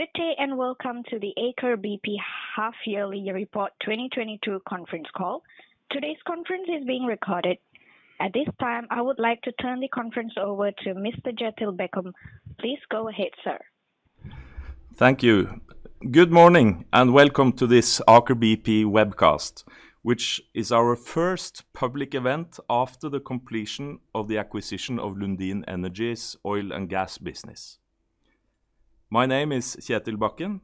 Good day and welcome to the Aker BP half-yearly report 2022 conference call. Today's conference is being recorded. At this time, I would like to turn the conference over to Mr. Kjetil Bakken. Please go ahead, sir. Thank you. Good morning, and welcome to this Aker BP webcast, which is our first public event after the completion of the acquisition of Lundin Energy's oil and gas business. My name is Kjetil Bakken,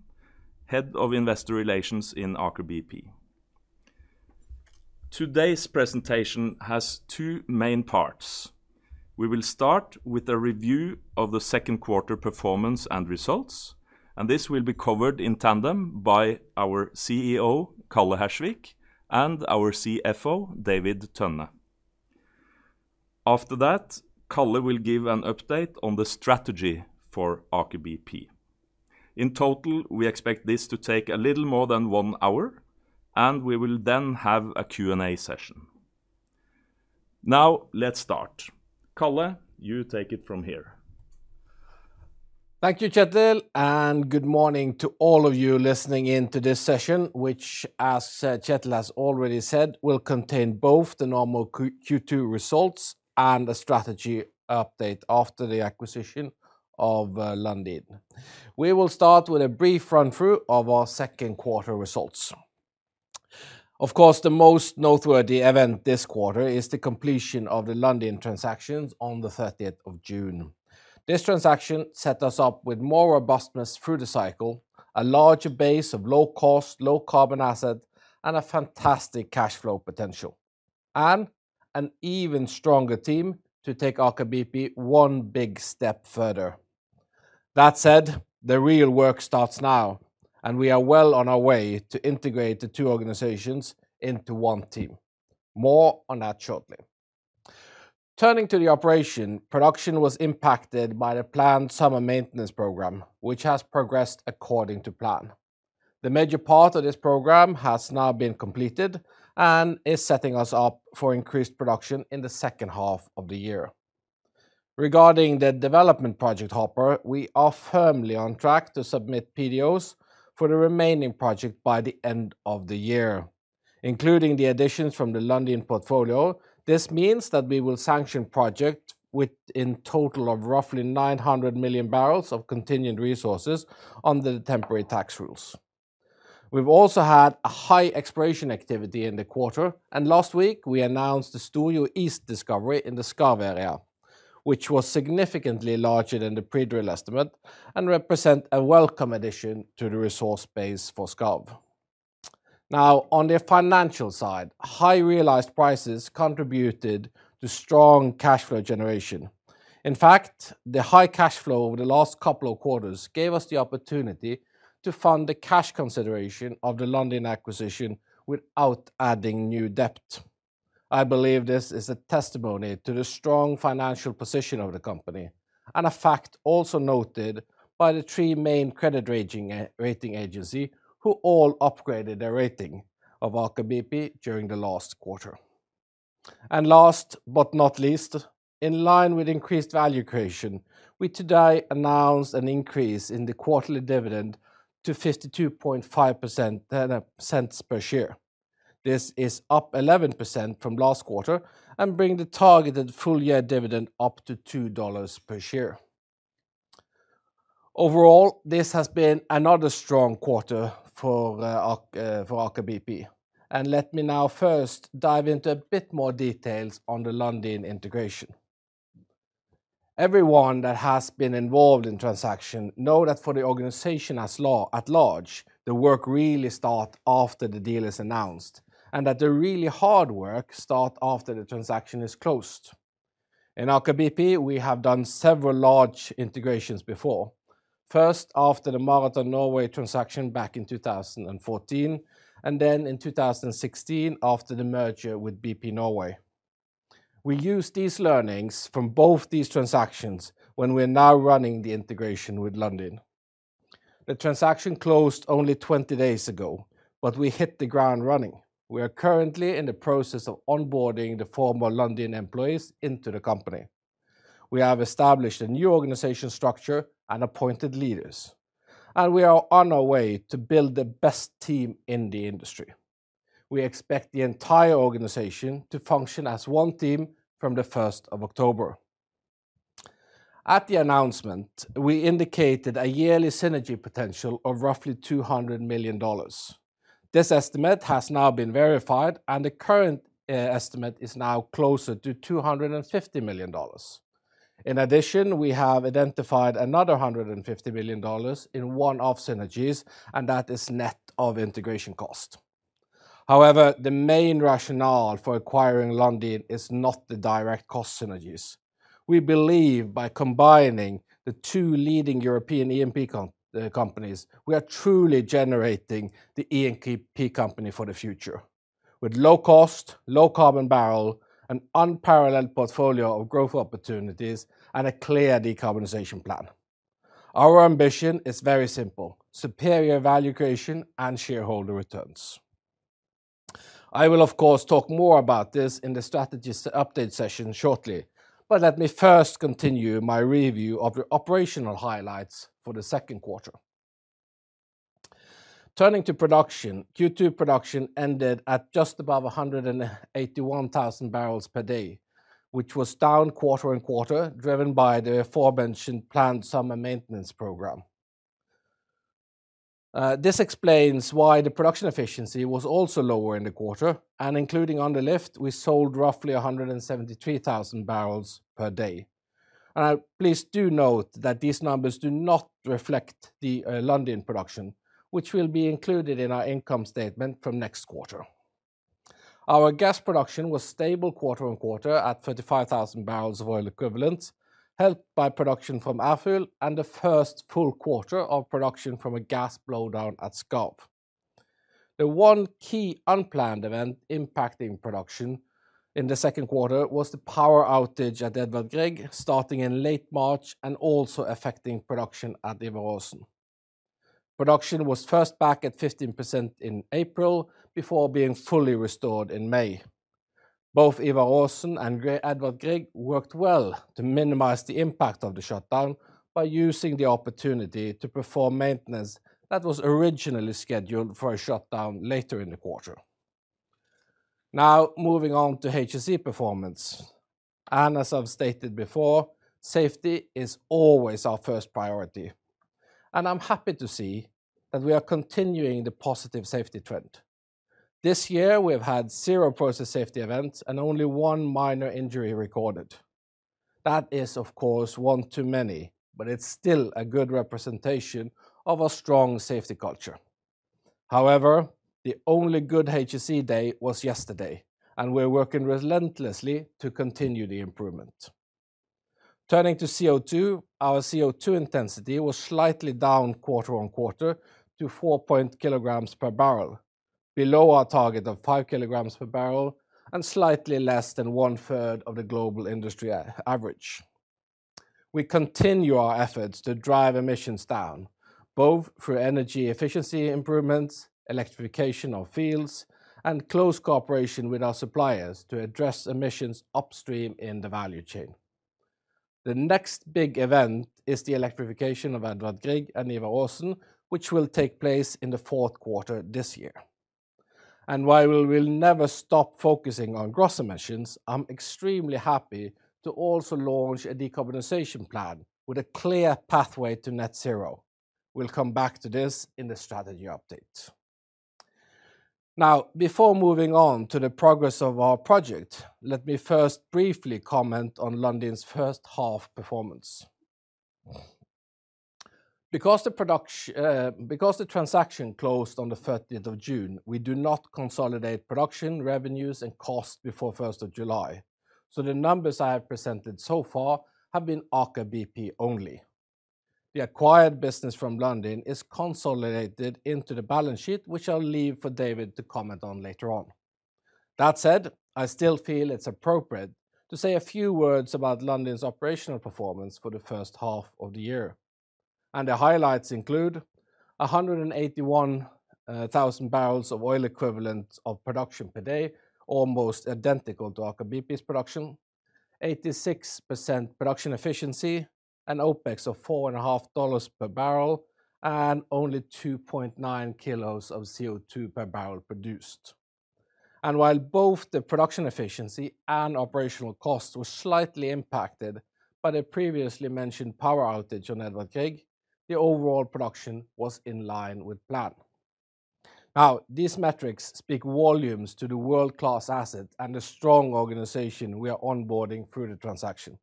Head of Investor Relations in Aker BP. Today's presentation has two main parts. We will start with a review of the second quarter performance and results, and this will be covered in tandem by our CEO, Karl Johnny Hersvik, and our CFO, David Tønne. After that, Karl Johnny Hersvik will give an update on the strategy for Aker BP. In total, we expect this to take a little more than one hour, and we will then have a Q&A session. Now let's start. Karl Johnny Hersvik, you take it from here. Thank you, Kjetil, and good morning to all of you listening in to this session, which, as Kjetil has already said, will contain both the normal Q2 results and a strategy update after the acquisition of Lundin. We will start with a brief run-through of our second quarter results. Of course, the most noteworthy event this quarter is the completion of the Lundin transactions on the thirtieth of June. This transaction set us up with more robustness through the cycle, a larger base of low cost, low carbon asset, and a fantastic cash flow potential, and an even stronger team to take Aker BP one big step further. That said, the real work starts now, and we are well on our way to integrate the two organizations into one team. More on that shortly. Turning to the operation, production was impacted by the planned summer maintenance program, which has progressed according to plan. The major part of this program has now been completed and is setting us up for increased production in the second half of the year. Regarding the development project portfolio, we are firmly on track to submit PDOs for the remaining projects by the end of the year. Including the additions from the Lundin portfolio, this means that we will sanction projects with a total of roughly 900 million barrels of contingent resources under the temporary tax rules. We've also had a high exploration activity in the quarter, and last week we announced the Storjo East discovery in the Skarv area, which was significantly larger than the pre-drill estimate and represent a welcome addition to the resource base for Skarv. Now, on the financial side, high realized prices contributed to strong cash flow generation. In fact, the high cash flow over the last couple of quarters gave us the opportunity to fund the cash consideration of the Lundin acquisition without adding new debt. I believe this is a testimony to the strong financial position of the company, and a fact also noted by the three main credit rating agency, who all upgraded their rating of Aker BP during the last quarter. Last but not least, in line with increased value creation, we today announced an increase in the quarterly dividend to $0.525 per share. This is up 11% from last quarter and bring the targeted full-year dividend up to $2 per share. Overall, this has been another strong quarter for Aker BP. Let me now first dive into a bit more details on the Lundin integration. Everyone that has been involved in transaction know that for the organization at large, the work really start after the deal is announced and that the really hard work start after the transaction is closed. In Aker BP, we have done several large integrations before. First, after the Marathon Norway transaction back in 2014, and then in 2016 after the merger with BP Norge. We used these learnings from both these transactions when we're now running the integration with Lundin. The transaction closed only 20 days ago, but we hit the ground running. We are currently in the process of onboarding the former Lundin employees into the company. We have established a new organizational structure and appointed leaders, and we are on our way to build the best team in the industry. We expect the entire organization to function as one team from the first of October. At the announcement, we indicated a yearly synergy potential of roughly $200 million. This estimate has now been verified, and the current estimate is now closer to $250 million. In addition, we have identified another $150 million in one-off synergies, and that is net of integration cost. However, the main rationale for acquiring Lundin is not the direct cost synergies. We believe by combining the two leading European E&P companies, we are truly generating the E&P company for the future with low cost, low carbon barrel, an unparalleled portfolio of growth opportunities, and a clear decarbonization plan. Our ambition is very simple, superior value creation and shareholder returns. I will of course talk more about this in the strategies update session shortly. Let me first continue my review of the operational highlights for the second quarter. Turning to production, Q2 production ended at just above 181,000 barrels per day, which was down quarter-on-quarter, driven by the aforementioned planned summer maintenance program. This explains why the production efficiency was also lower in the quarter and including on the lift, we sold roughly 173,000 barrels per day. Now please do note that these numbers do not reflect the Lundin production, which will be included in our income statement from next quarter. Our gas production was stable quarter-over-quarter at 35,000 barrels of oil equivalent, helped by production from Alvheim and the first full quarter of production from a gas blowdown at Skarv. The one key unplanned event impacting production in the second quarter was the power outage at Edvard Grieg starting in late March and also affecting production at Ivar Aasen. Production was first back at 15% in April before being fully restored in May. Both Ivar Aasen and Edvard Grieg worked well to minimize the impact of the shutdown by using the opportunity to perform maintenance that was originally scheduled for a shutdown later in the quarter. Now, moving on to HSE performance, and as I've stated before, safety is always our first priority, and I'm happy to see that we are continuing the positive safety trend. This year we've had 0 process safety events and only one minor injury recorded. That is, of course, 1 too many, but it's still a good representation of a strong safety culture. However, the only good HSE day was yesterday, and we're working relentlessly to continue the improvement. Turning to CO2, our CO2 intensity was slightly down quarter-on-quarter to four kilograms per barrel, below our target of five kilograms per barrel and slightly less than one-third of the global industry average. We continue our efforts to drive emissions down, both through energy efficiency improvements, electrification of fields, and close cooperation with our suppliers to address emissions upstream in the value chain. The next big event is the electrification of Edvard Grieg and Ivar Aasen, which will take place in the fourth quarter this year. While we will never stop focusing on gross emissions, I'm extremely happy to also launch a decarbonization plan with a clear pathway to net zero. We'll come back to this in the strategy update. Now, before moving on to the progress of our project, let me first briefly comment on Lundin's first half performance. Because the transaction closed on the thirteenth of June, we do not consolidate production, revenues, and cost before first of July, so the numbers I have presented so far have been Aker BP only. The acquired business from Lundin is consolidated into the balance sheet, which I'll leave for David to comment on later on. That said, I still feel it's appropriate to say a few words about Lundin Energy's operational performance for the first half of the year, and the highlights include 181 thousand barrels of oil equivalent of production per day, almost identical to Aker BP's production, 86% production efficiency, an OpEx of $4.5 per barrel, and only 2.9 kilos of CO2 per barrel produced. While both the production efficiency and operational cost was slightly impacted by the previously mentioned power outage on Edvard Grieg, the overall production was in line with plan. Now, these metrics speak volumes to the world-class asset and the strong organization we are onboarding through the transaction,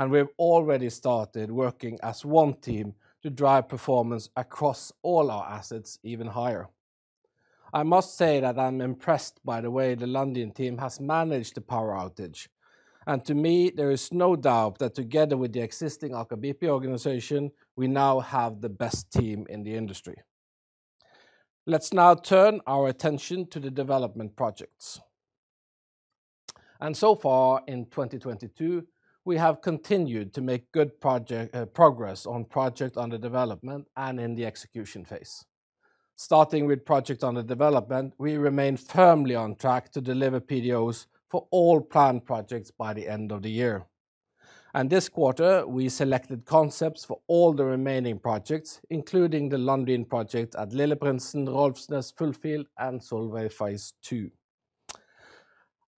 and we have already started working as one team to drive performance across all our assets even higher. I must say that I'm impressed by the way the Lundin team has managed the power outage, and to me, there is no doubt that together with the existing Aker BP organization, we now have the best team in the industry. Let's now turn our attention to the development projects. So far in 2022, we have continued to make good project progress on projects under development and in the execution phase. Starting with projects under development, we remain firmly on track to deliver PDOs for all planned projects by the end of the year. This quarter, we selected concepts for all the remaining projects, including the Lundin project at Lilleprinsen, Rolfsnes, Fullfield, and Solveig Phase II.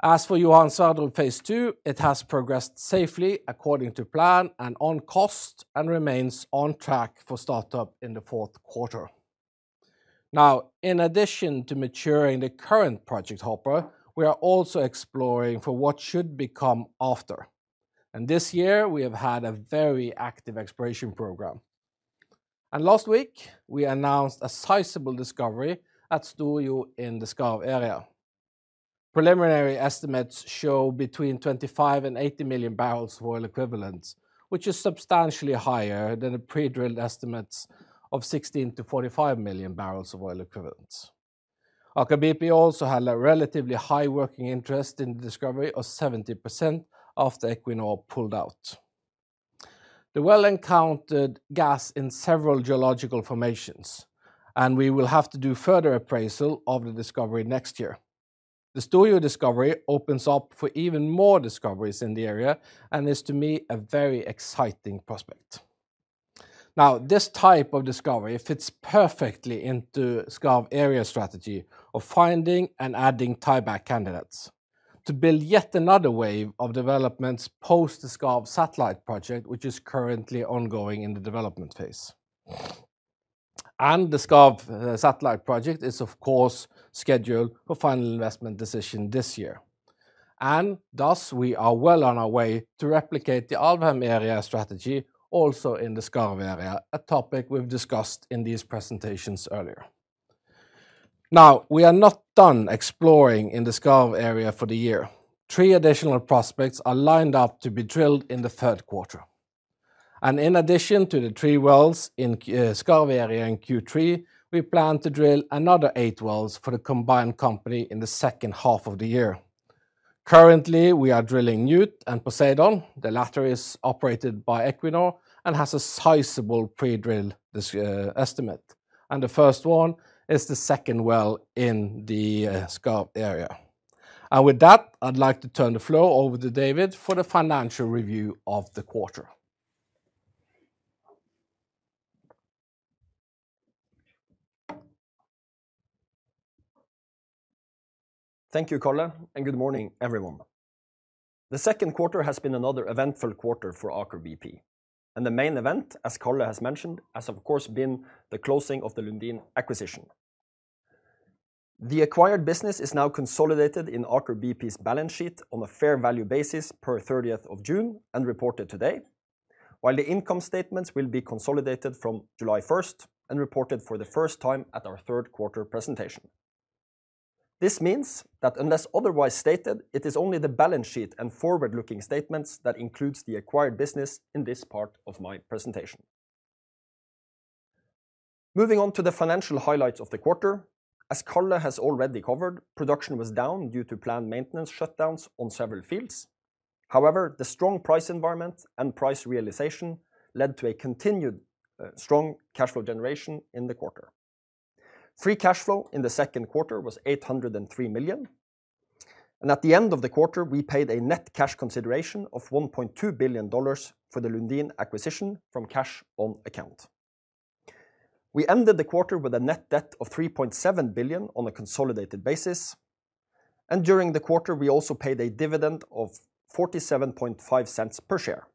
As for Johan Sverdrup Phase II, it has progressed safely according to plan and on cost and remains on track for startup in the fourth quarter. Now, in addition to maturing the current project hopper, we are also exploring for what should become after. This year, we have had a very active exploration program. Last week, we announced a sizable discovery at Storjo in the Skarv area. Preliminary estimates show between 25 and 80 million barrels of oil equivalents, which is substantially higher than the pre-drilled estimates of 16 million-45 million barrels of oil equivalents. Aker BP also had a relatively high working interest in the discovery of 70% after Equinor pulled out. The well encountered gas in several geological formations, and we will have to do further appraisal of the discovery next year. The Storjo discovery opens up for even more discoveries in the area, and is to me a very exciting prospect. Now, this type of discovery fits perfectly into Skarv area strategy of finding and adding tieback candidates to build yet another wave of developments post the Skarv Satellite Project, which is currently ongoing in the development phase. The Skarv Satellite Project is, of course, scheduled for final investment decision this year, and thus we are well on our way to replicate the Alvheim area strategy also in the Skarv area, a topic we've discussed in these presentations earlier. Now, we are not done exploring in the Skarv area for the year. Three additional prospects are lined up to be drilled in the third quarter, and in addition to the three wells in Skarv area in Q3, we plan to drill another eight wells for the combined company in the second half of the year. Currently, we are drilling Njord and Poseidon. The latter is operated by Equinor and has a sizable pre-drill estimate, and the first one is the second well in the Skarv area. With that, I'd like to turn the floor over to David for the financial review of the quarter. Thank you, Calle, and good morning, everyone. The second quarter has been another eventful quarter for Aker BP, and the main event, as Calle has mentioned, has of course been the closing of the Lundin acquisition. The acquired business is now consolidated in Aker BP's balance sheet on a fair value basis per 30th of June and reported today, while the income statements will be consolidated from July first and reported for the first time at our third quarter presentation. This means that unless otherwise stated, it is only the balance sheet and forward-looking statements that includes the acquired business in this part of my presentation. Moving on to the financial highlights of the quarter, as Calle has already covered, production was down due to planned maintenance shutdowns on several fields. However, the strong price environment and price realization led to a continued strong cash flow generation in the quarter. Free cash flow in the second quarter was $803 million, and at the end of the quarter, we paid a net cash consideration of $1.2 billion for the Lundin acquisition from cash on account. We ended the quarter with a net debt of $3.7 billion on a consolidated basis, and during the quarter, we also paid a dividend of $0.475 per share.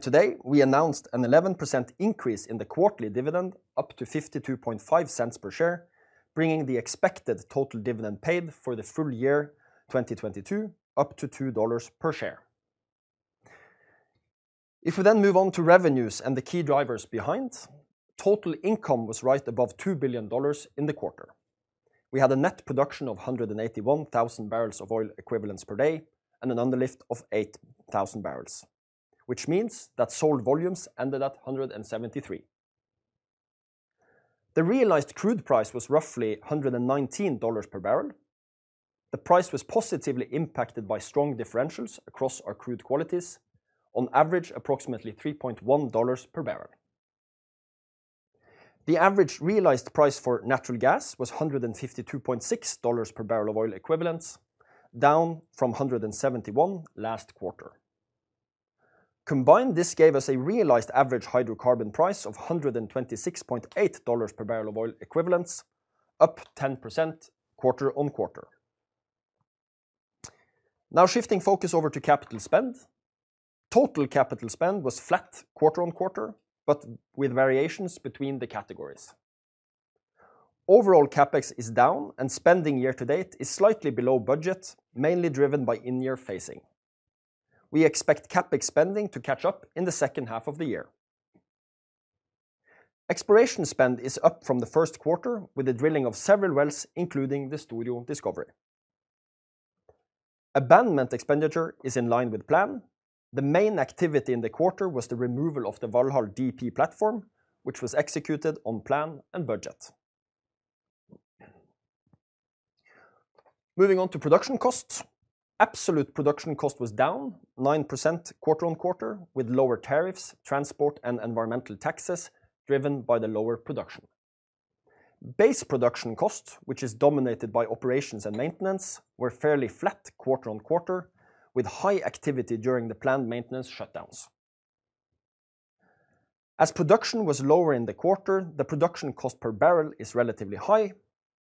Today, we announced an 11% increase in the quarterly dividend up to $0.525 per share, bringing the expected total dividend paid for the full year 2022 up to $2 per share. If we then move on to revenues and the key drivers behind, total income was right above $2 billion in the quarter. We had a net production of 181,000 barrels of oil equivalents per day and an underlift of 8,000 barrels, which means that sold volumes ended at 173. The realized crude price was roughly $119 per barrel. The price was positively impacted by strong differentials across our crude qualities, on average approximately $3.1 per barrel. The average realized price for natural gas was $152.6 per barrel of oil equivalents, down from $171 last quarter. Combined, this gave us a realized average hydrocarbon price of $126.8 per barrel of oil equivalents, up 10% quarter-over-quarter. Now shifting focus over to capital spend. Total capital spend was flat quarter-on-quarter, but with variations between the categories. Overall, CapEx is down and spending year to date is slightly below budget, mainly driven by in-year phasing. We expect CapEx spending to catch up in the second half of the year. Exploration spend is up from the first quarter with the drilling of several wells, including the Storjo discovery. Abandonment expenditure is in line with plan. The main activity in the quarter was the removal of the Valhall DP platform, which was executed on plan and budget. Moving on to production costs. Absolute production cost was down 9% quarter-on-quarter with lower tariffs, transport, and environmental taxes driven by the lower production. Base production cost, which is dominated by operations and maintenance, were fairly flat quarter-on-quarter with high activity during the planned maintenance shutdowns. As production was lower in the quarter, the production cost per barrel is relatively high.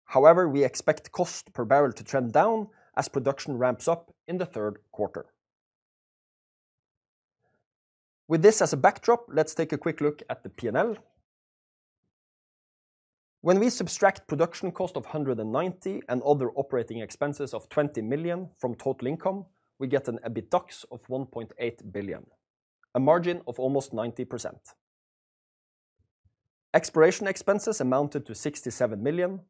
However, we expect cost per barrel to trend down as production ramps up in the third quarter. With this as a backdrop, let's take a quick look at the P&L. When we subtract production cost of $190 million and other operating expenses of $20 million from total income, we get an EBITDA of $1.8 billion, a margin of almost 90%. Exploration expenses amounted to $67 million,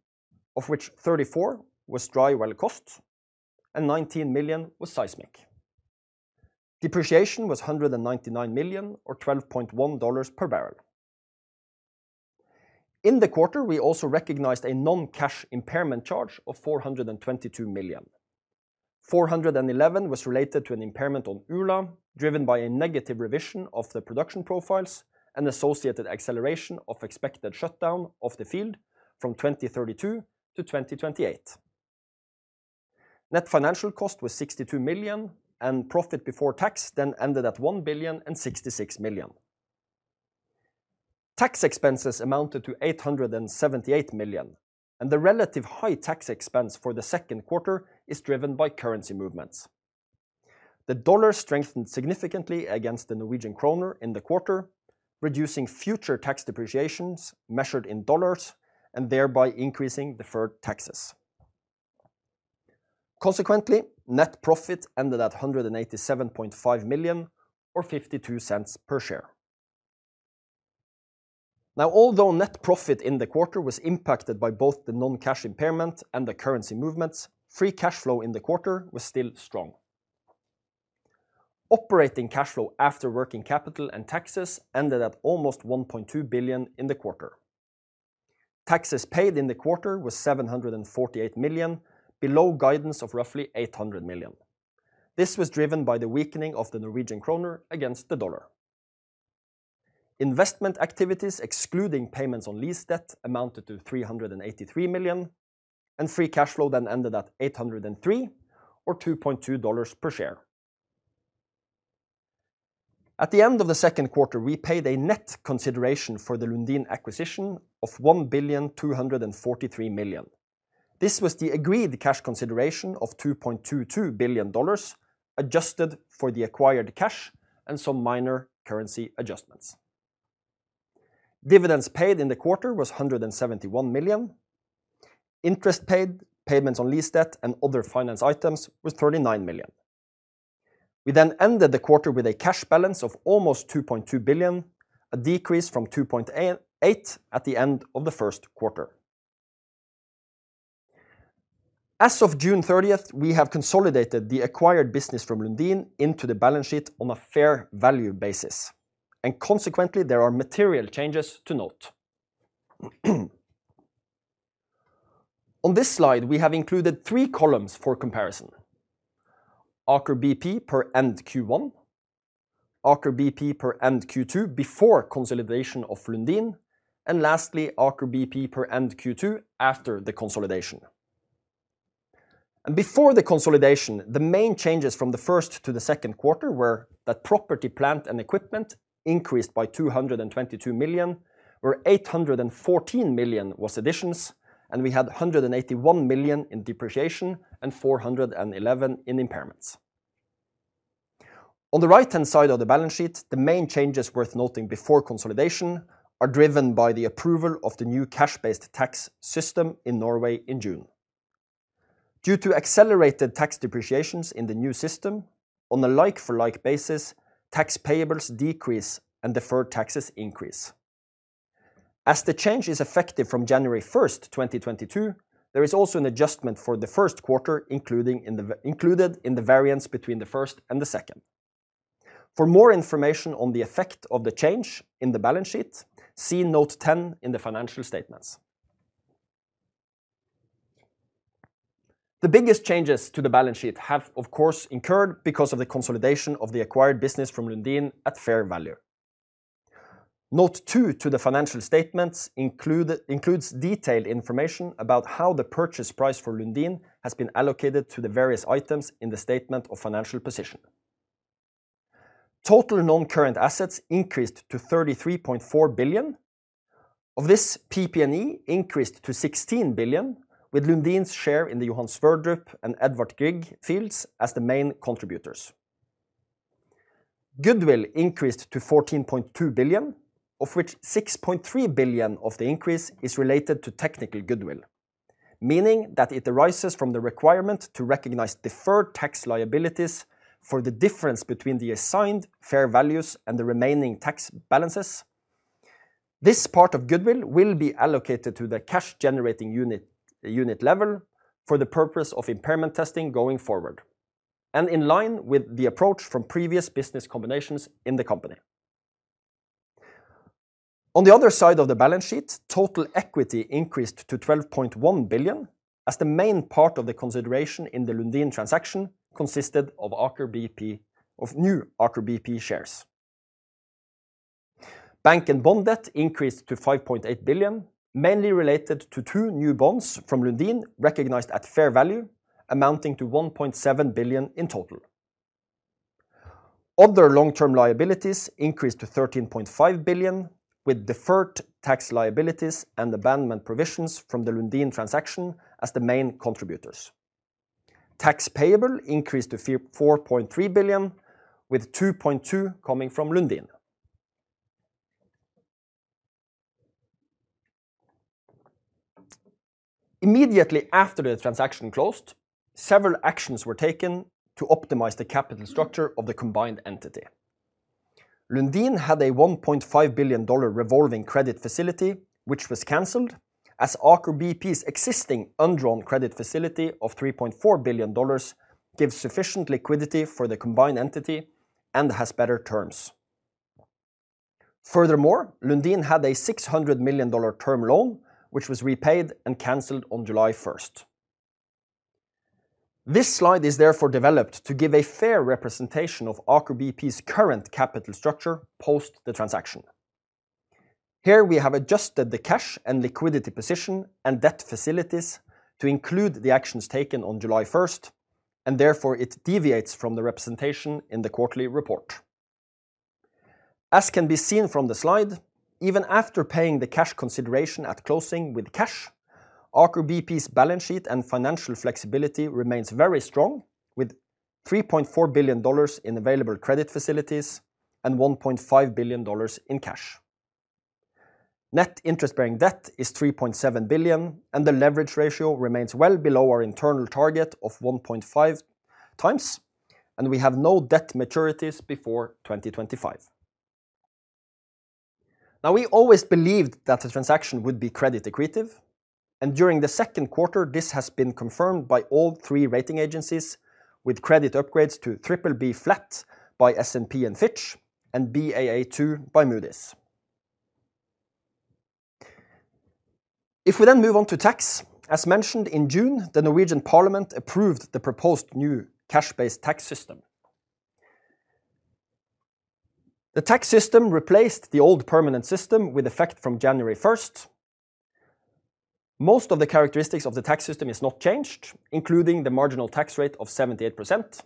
of which 34 was dry well cost and $19 million was seismic. Depreciation was $199 million or $12.1 per barrel. In the quarter, we also recognized a non-cash impairment charge of $422 million. $411 million was related to an impairment on Ula, driven by a negative revision of the production profiles and associated acceleration of expected shutdown of the field from 2032 to 2028. Net financial cost was $62 million and profit before tax then ended at $1,066 million. Tax expenses amounted to $878 million, and the relatively high tax expense for the second quarter is driven by currency movements. The dollar strengthened significantly against the Norwegian kroner in the quarter, reducing future tax depreciations measured in dollars and thereby increasing deferred taxes. Consequently, net profit ended at $187.5 million or $0.52 per share. Although net profit in the quarter was impacted by both the non-cash impairment and the currency movements, free cash flow in the quarter was still strong. Operating cash flow after working capital and taxes ended at almost $1.2 billion in the quarter. Taxes paid in the quarter was $748 million, below guidance of roughly $800 million. This was driven by the weakening of the Norwegian kroner against the dollar. Investment activities excluding payments on lease debt amounted to $383 million, and free cash flow then ended at $803 or $2.2 per share. At the end of the second quarter, we paid a net consideration for the Lundin acquisition of $1.243 billion. This was the agreed cash consideration of $2.22 billion, adjusted for the acquired cash and some minor currency adjustments. Dividends paid in the quarter was $171 million. Interest paid, payments on lease debt and other finance items was $39 million. We ended the quarter with a cash balance of almost $2.2 billion, a decrease from $2.8 billion at the end of the first quarter. As of June 30, we have consolidated the acquired business from Lundin into the balance sheet on a fair value basis, and consequently there are material changes to note. On this slide, we have included three columns for comparison. Aker BP per end Q1, Aker BP per end Q2 before consolidation of Lundin, and lastly, Aker BP per end Q2 after the consolidation. Before the consolidation, the main changes from the first to the second quarter were that property, plant and equipment increased by $222 million, where $814 million was additions, and we had $181 million in depreciation and $411 million in impairments. On the right-hand side of the balance sheet, the main changes worth noting before consolidation are driven by the approval of the new cash-based tax system in Norway in June. Due to accelerated tax depreciations in the new system on a like-for-like basis, tax payables decrease and deferred taxes increase. As the change is effective from January 1, 2022, there is also an adjustment for the first quarter included in the variance between the first and the second. For more information on the effect of the change in the balance sheet, see note 10 in the financial statements. The biggest changes to the balance sheet have of course occurred because of the consolidation of the acquired business from Lundin at fair value. Note two to the financial statements includes detailed information about how the purchase price for Lundin has been allocated to the various items in the statement of financial position. Total non-current assets increased to $33.4 billion. Of this, PP&E increased to $16 billion, with Lundin's share in the Johan Sverdrup and Edvard Grieg fields as the main contributors. Goodwill increased to $14.2 billion, of which $6.3 billion of the increase is related to technical goodwill, meaning that it arises from the requirement to recognize deferred tax liabilities for the difference between the assigned fair values and the remaining tax balances. This part of goodwill will be allocated to the cash generating unit level for the purpose of impairment testing going forward, and in line with the approach from previous business combinations in the company. On the other side of the balance sheet, total equity increased to $12.1 billion as the main part of the consideration in the Lundin transaction consisted of new Aker BP shares. Bank and bond debt increased to $5.8 billion, mainly related to two new bonds from Lundin recognized at fair value amounting to $1.7 billion in total. Other long-term liabilities increased to $13.5 billion with deferred tax liabilities and abandonment provisions from the Lundin transaction as the main contributors. Tax payable increased to $4.3 billion with $2.2 billion coming from Lundin. Immediately after the transaction closed, several actions were taken to optimize the capital structure of the combined entity. Lundin had a $1.5 billion revolving credit facility which was canceled as Aker BP's existing undrawn credit facility of $3.4 billion gives sufficient liquidity for the combined entity. And has better terms. Furthermore, Lundin had a $600 million term loan, which was repaid and canceled on July first. This slide is therefore developed to give a fair representation of Aker BP's current capital structure post the transaction. We have adjusted the cash and liquidity position and debt facilities to include the actions taken on July 1, and therefore it deviates from the representation in the quarterly report. As can be seen from the slide, even after paying the cash consideration at closing with cash, Aker BP's balance sheet and financial flexibility remains very strong with $3.4 billion in available credit facilities and $1.5 billion in cash. Net interest-bearing debt is $3.7 billion, and the leverage ratio remains well below our internal target of 1.5x, and we have no debt maturities before 2025. We always believed that the transaction would be credit accretive, and during the second quarter, this has been confirmed by all three rating agencies with credit upgrades to BBB by S&P and Fitch and Baa2 by Moody's. If we then move on to tax, as mentioned in June, the Norwegian Parliament approved the proposed new cash-based tax system. The tax system replaced the old permanent system with effect from January first. Most of the characteristics of the tax system is not changed, including the marginal tax rate of 78%.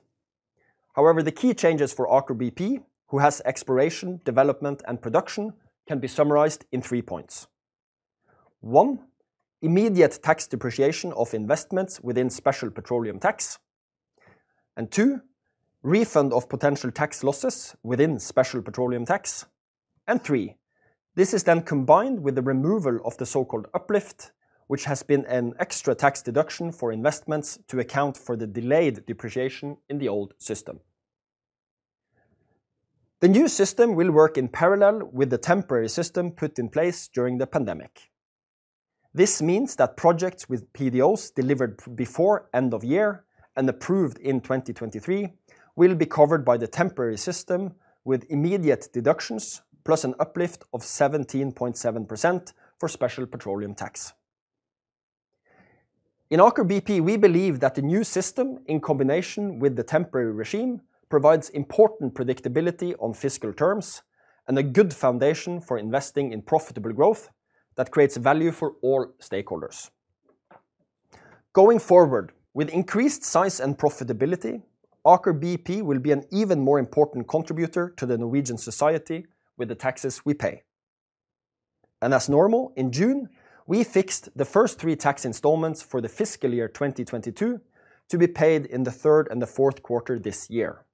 However, the key changes for Aker BP, who has exploration, development, and production, can be summarized in three points. One, immediate tax depreciation of investments within special petroleum tax. Two, refund of potential tax losses within special petroleum tax. Three, this is then combined with the removal of the so-called uplift, which has been an extra tax deduction for investments to account for the delayed depreciation in the old system. The new system will work in parallel with the temporary system put in place during the pandemic. This means that projects with PDOs delivered before end of year and approved in 2023 will be covered by the temporary system with immediate deductions plus an uplift of 17.7% for special petroleum tax. In Aker BP, we believe that the new system in combination with the temporary regime provides important predictability on fiscal terms and a good foundation for investing in profitable growth that creates value for all stakeholders. Going forward, with increased size and profitability, Aker BP will be an even more important contributor to the Norwegian society with the taxes we pay. As normal, in June, we fixed the first three tax installments for the fiscal year 2022 to be paid in the third and fourth quarter this year.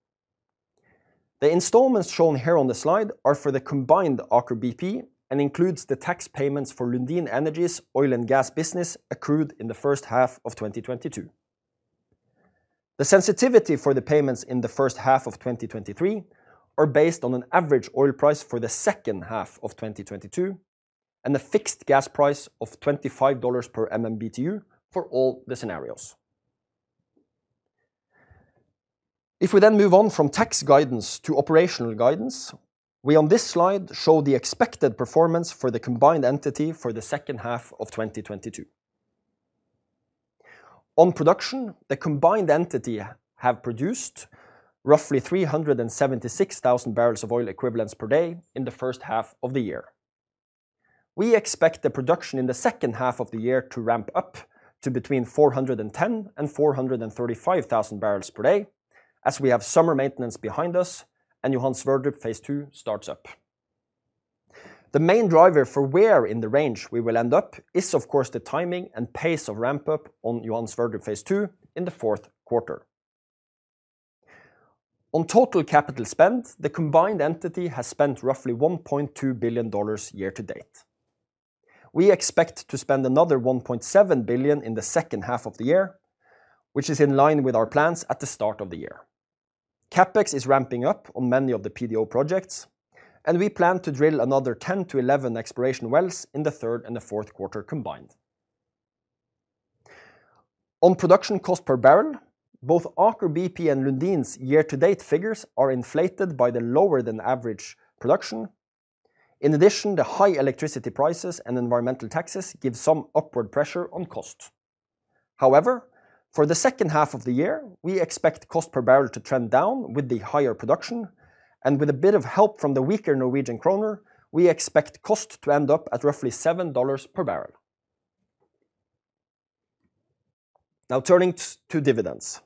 The installments shown here on the slide are for the combined Aker BP and includes the tax payments for Lundin Energy's oil and gas business accrued in the first half of 2022. The sensitivity for the payments in the first half of 2023 are based on an average oil price for the second half of 2022 and a fixed gas price of $25 per MMBTU for all the scenarios. If we then move on from tax guidance to operational guidance, we on this slide show the expected performance for the combined entity for the second half of 2022. On production, the combined entity have produced roughly 376,000 barrels of oil equivalents per day in the first half of the year. We expect the production in the second half of the year to ramp up to between 410,000 and 435,000 barrels per day as we have summer maintenance behind us and Johan Sverdrup phase II starts up. The main driver for where in the range we will end up is of course the timing and pace of ramp-up on Johan Sverdrup phase II in the fourth quarter. On total capital spend, the combined entity has spent roughly $1.2 billion year to date. We expect to spend another $1.7 billion in the second half of the year, which is in line with our plans at the start of the year. CapEx is ramping up on many of the PDO projects, and we plan to drill another 10-11 exploration wells in the third and the fourth quarter combined. On production cost per barrel, both Aker BP and Lundin's year-to-date figures are inflated by the lower than average production. In addition, the high electricity prices and environmental taxes give some upward pressure on cost. However, for the second half of the year, we expect cost per barrel to trend down with the higher production and with a bit of help from the weaker Norwegian kroner, we expect cost to end up at roughly $7 per barrel. Now turning to dividends.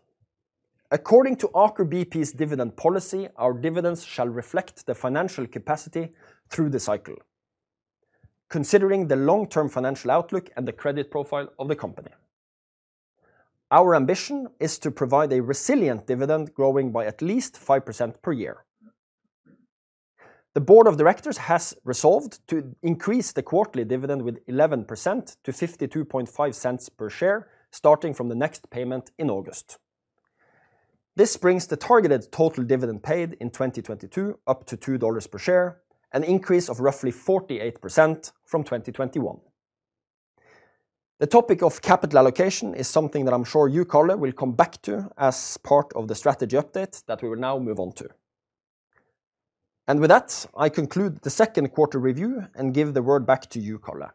According to Aker BP's dividend policy, our dividends shall reflect the financial capacity through the cycle, considering the long-term financial outlook and the credit profile of the company. Our ambition is to provide a resilient dividend growing by at least 5% per year. The board of directors has resolved to increase the quarterly dividend with 11% to $0.525 per share starting from the next payment in August. This brings the targeted total dividend paid in 2022 up to $2 per share, an increase of roughly 48% from 2021. The topic of capital allocation is something that I'm sure you, Karl Johnny Hersvik, will come back to as part of the strategy update that we will now move on to. With that, I conclude the second quarter review and give the word back to you, Karl Johnny Hersvik.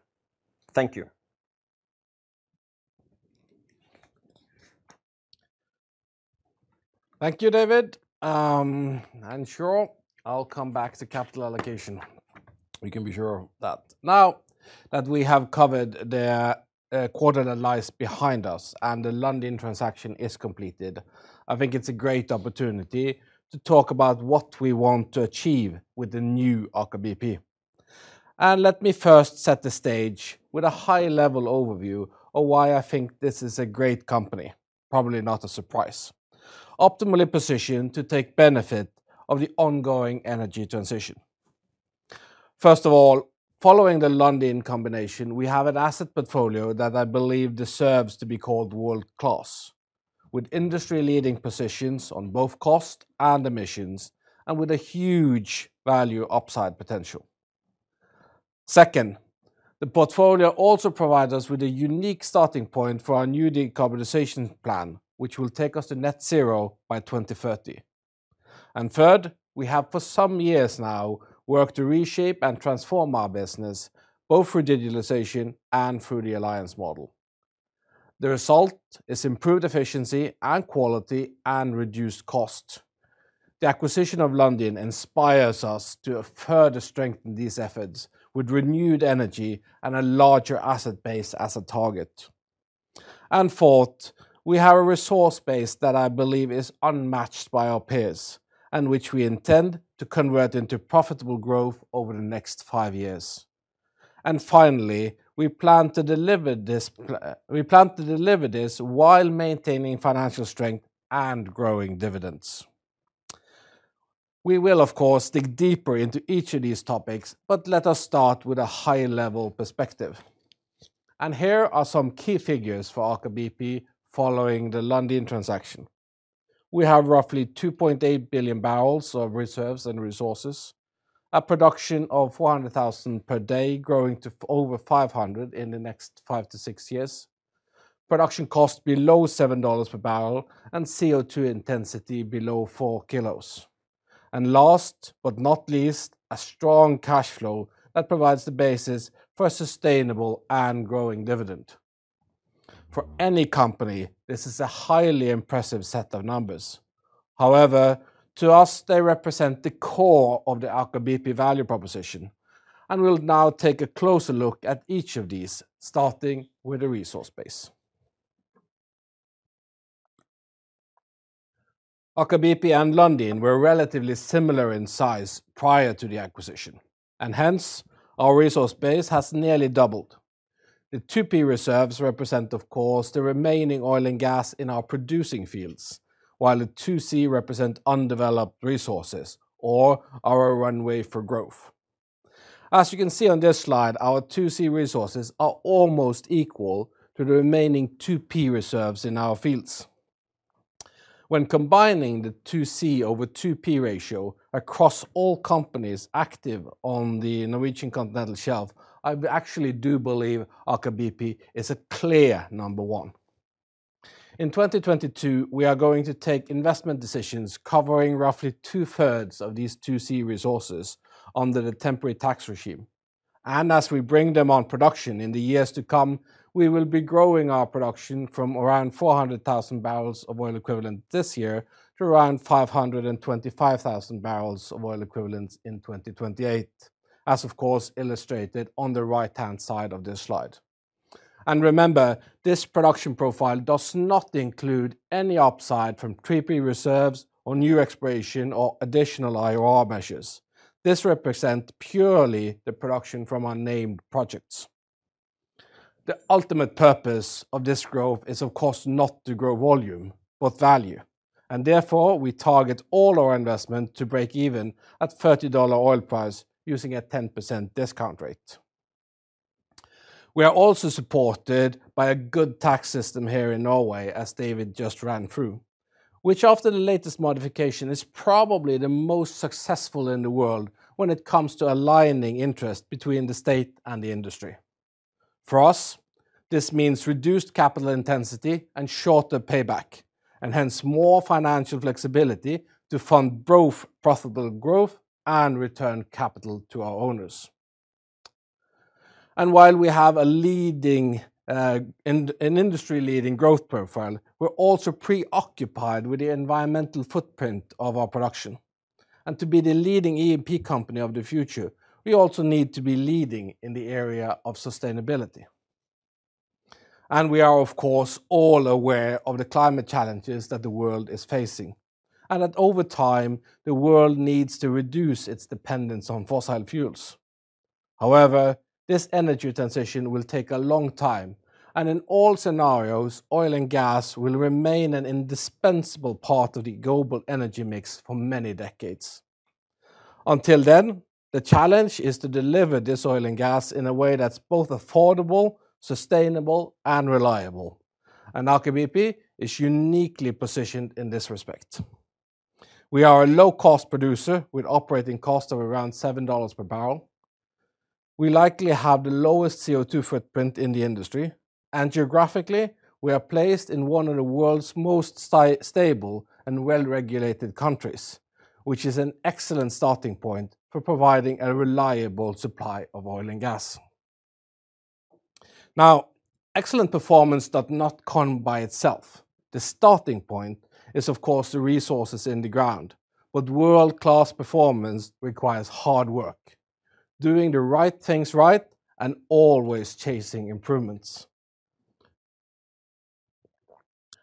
Thank you. Thank you, David. Sure, I'll come back to capital allocation. You can be sure of that. Now that we have covered the quarter that lies behind us and the Lundin transaction is completed, I think it's a great opportunity to talk about what we want to achieve with the new Aker BP. Let me first set the stage with a high-level overview of why I think this is a great company, probably not a surprise, optimally positioned to take benefit of the ongoing energy transition. First of all, following the Lundin combination, we have an asset portfolio that I believe deserves to be called world-class, with industry-leading positions on both cost and emissions and with a huge value upside potential. Second, the portfolio also provides us with a unique starting point for our new decarbonization plan, which will take us to net zero by 2030. Third, we have for some years now worked to reshape and transform our business, both through digitalization and through the alliance model. The result is improved efficiency and quality and reduced cost. The acquisition of Lundin inspires us to further strengthen these efforts with renewed energy and a larger asset base as a target. Fourth, we have a resource base that I believe is unmatched by our peers and which we intend to convert into profitable growth over the next five years. Finally, we plan to deliver this while maintaining financial strength and growing dividends. We will of course dig deeper into each of these topics, but let us start with a high-level perspective. Here are some key figures for Aker BP following the Lundin transaction. We have roughly 2.8 billion barrels of reserves and resources, a production of 400,000 per day growing to over 500,000 in the next 5-6 years, production cost below $7 per barrel, and CO2 intensity below four kilos. Last but not least, a strong cash flow that provides the basis for a sustainable and growing dividend. For any company, this is a highly impressive set of numbers. However, to us, they represent the core of the Aker BP value proposition, and we'll now take a closer look at each of these, starting with the resource base. Aker BP and Lundin were relatively similar in size prior to the acquisition, and hence our resource base has nearly doubled. The 2P reserves represent, of course, the remaining oil and gas in our producing fields, while the 2C represent undeveloped resources or our runway for growth. As you can see on this slide, our 2C resources are almost equal to the remaining 2P reserves in our fields. When combining the 2C over 2P ratio across all companies active on the Norwegian Continental Shelf, I actually do believe Aker BP is a clear number one. In 2022, we are going to take investment decisions covering roughly two-thirds of these 2C resources under the temporary tax regime. As we bring them on production in the years to come, we will be growing our production from around 400,000 barrels of oil equivalent this year to around 525,000 barrels of oil equivalent in 2028, as of course illustrated on the right-hand side of this slide. Remember, this production profile does not include any upside from 3P reserves or new exploration or additional IOR measures. This represent purely the production from our named projects. The ultimate purpose of this growth is of course not to grow volume, but value, and therefore we target all our investment to break even at $30 oil price using a 10% discount rate. We are also supported by a good tax system here in Norway, as David just ran through, which after the latest modification is probably the most successful in the world when it comes to aligning interest between the state and the industry. For us, this means reduced capital intensity and shorter payback, and hence more financial flexibility to fund both profitable growth and return capital to our owners. While we have an industry-leading growth profile, we're also preoccupied with the environmental footprint of our production. To be the leading E&P company of the future, we also need to be leading in the area of sustainability. We are of course all aware of the climate challenges that the world is facing, and that over time the world needs to reduce its dependence on fossil fuels. However, this energy transition will take a long time, and in all scenarios, oil and gas will remain an indispensable part of the global energy mix for many decades. Until then, the challenge is to deliver this oil and gas in a way that's both affordable, sustainable, and reliable. Aker BP is uniquely positioned in this respect. We are a low-cost producer with operating cost of around $7 per barrel. We likely have the lowest CO2 footprint in the industry, and geographically, we are placed in one of the world's most stable and well-regulated countries, which is an excellent starting point for providing a reliable supply of oil and gas. Now, excellent performance does not come by itself. The starting point is, of course, the resources in the ground. World-class performance requires hard work, doing the right things right, and always chasing improvements.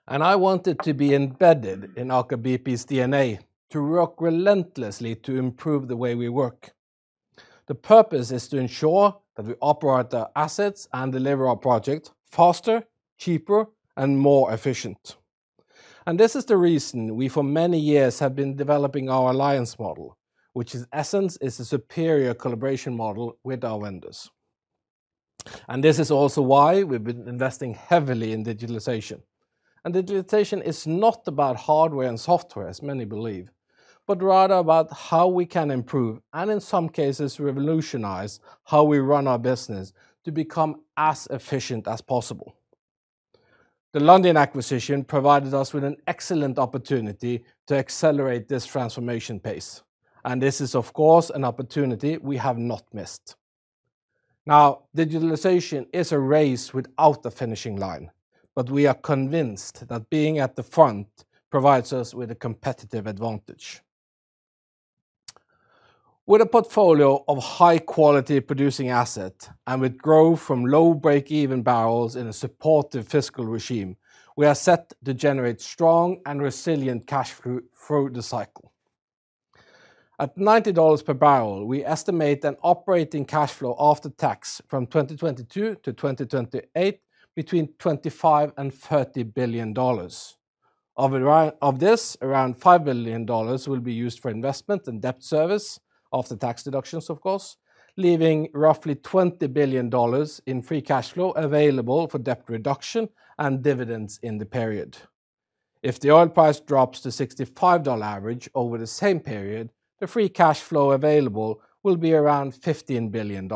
I want it to be embedded in Aker BP's DNA to work relentlessly to improve the way we work. The purpose is to ensure that we operate our assets and deliver our project faster, cheaper, and more efficient. This is the reason we for many years have been developing our alliance model, which in essence is a superior collaboration model with our vendors. This is also why we've been investing heavily in digitalization. Digitalization is not about hardware and software, as many believe, but rather about how we can improve and in some cases, revolutionize how we run our business to become as efficient as possible. The Lundin acquisition provided us with an excellent opportunity to accelerate this transformation pace, and this is, of course, an opportunity we have not missed. Now, digitalization is a race without a finishing line, but we are convinced that being at the front provides us with a competitive advantage. With a portfolio of high-quality producing asset and with growth from low break-even barrels in a supportive fiscal regime, we are set to generate strong and resilient cash flow through the cycle. At $90 per barrel, we estimate an operating cash flow after tax from 2022 to 2028, between $25 billion and $30 billion. Around $5 billion will be used for investment and debt service after tax deductions of course, leaving roughly $20 billion in free cash flow available for debt reduction and dividends in the period. If the oil price drops to 65-dollar average over the same period, the free cash flow available will be around $15 billion.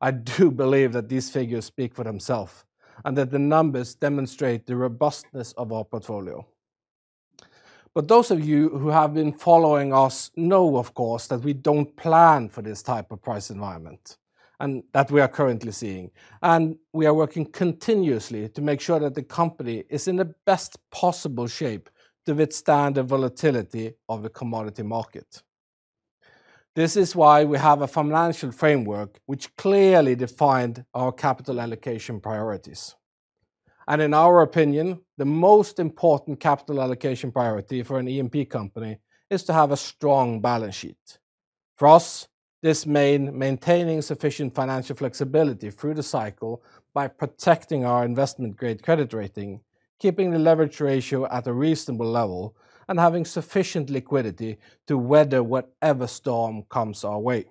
I do believe that these figures speak for themselves, and that the numbers demonstrate the robustness of our portfolio. Those of you who have been following us know, of course, that we don't plan for this type of price environment, and that we are currently seeing. We are working continuously to make sure that the company is in the best possible shape to withstand the volatility of the commodity market. This is why we have a financial framework which clearly defined our capital allocation priorities. In our opinion, the most important capital allocation priority for an E&P company is to have a strong balance sheet. For us, this means maintaining sufficient financial flexibility through the cycle by protecting our investment-grade credit rating, keeping the leverage ratio at a reasonable level, and having sufficient liquidity to weather whatever storm comes our way.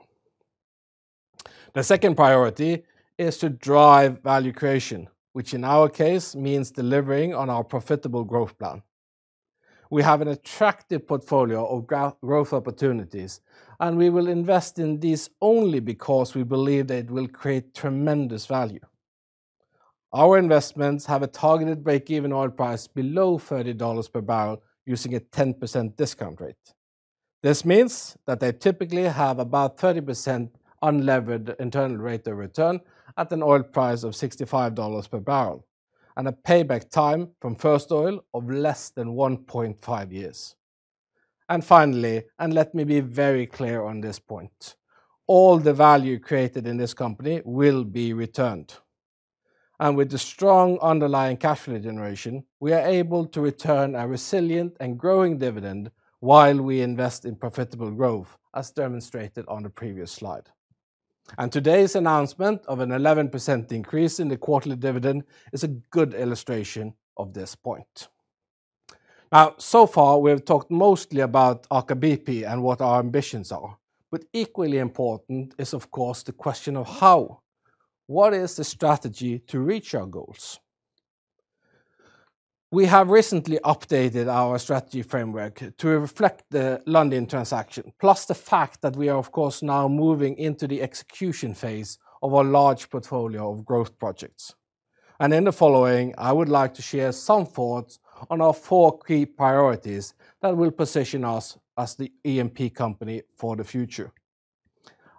The second priority is to drive value creation, which in our case means delivering on our profitable growth plan. We have an attractive portfolio of growth opportunities, and we will invest in these only because we believe they will create tremendous value. Our investments have a targeted break-even oil price below $30 per barrel using a 10% discount rate. This means that they typically have about 30% unlevered internal rate of return at an oil price of $65 per barrel, and a payback time from first oil of less than 1.5 years. Finally, and let me be very clear on this point, all the value created in this company will be returned. With the strong underlying cash flow generation, we are able to return a resilient and growing dividend while we invest in profitable growth, as demonstrated on a previous slide. Today's announcement of an 11% increase in the quarterly dividend is a good illustration of this point. Now, so far, we have talked mostly about Aker BP and what our ambitions are. Equally important is, of course, the question of how. What is the strategy to reach our goals? We have recently updated our strategy framework to reflect the Lundin transaction, plus the fact that we are of course now moving into the execution phase of our large portfolio of growth projects. In the following, I would like to share some thoughts on our four key priorities that will position us as the E&P company for the future.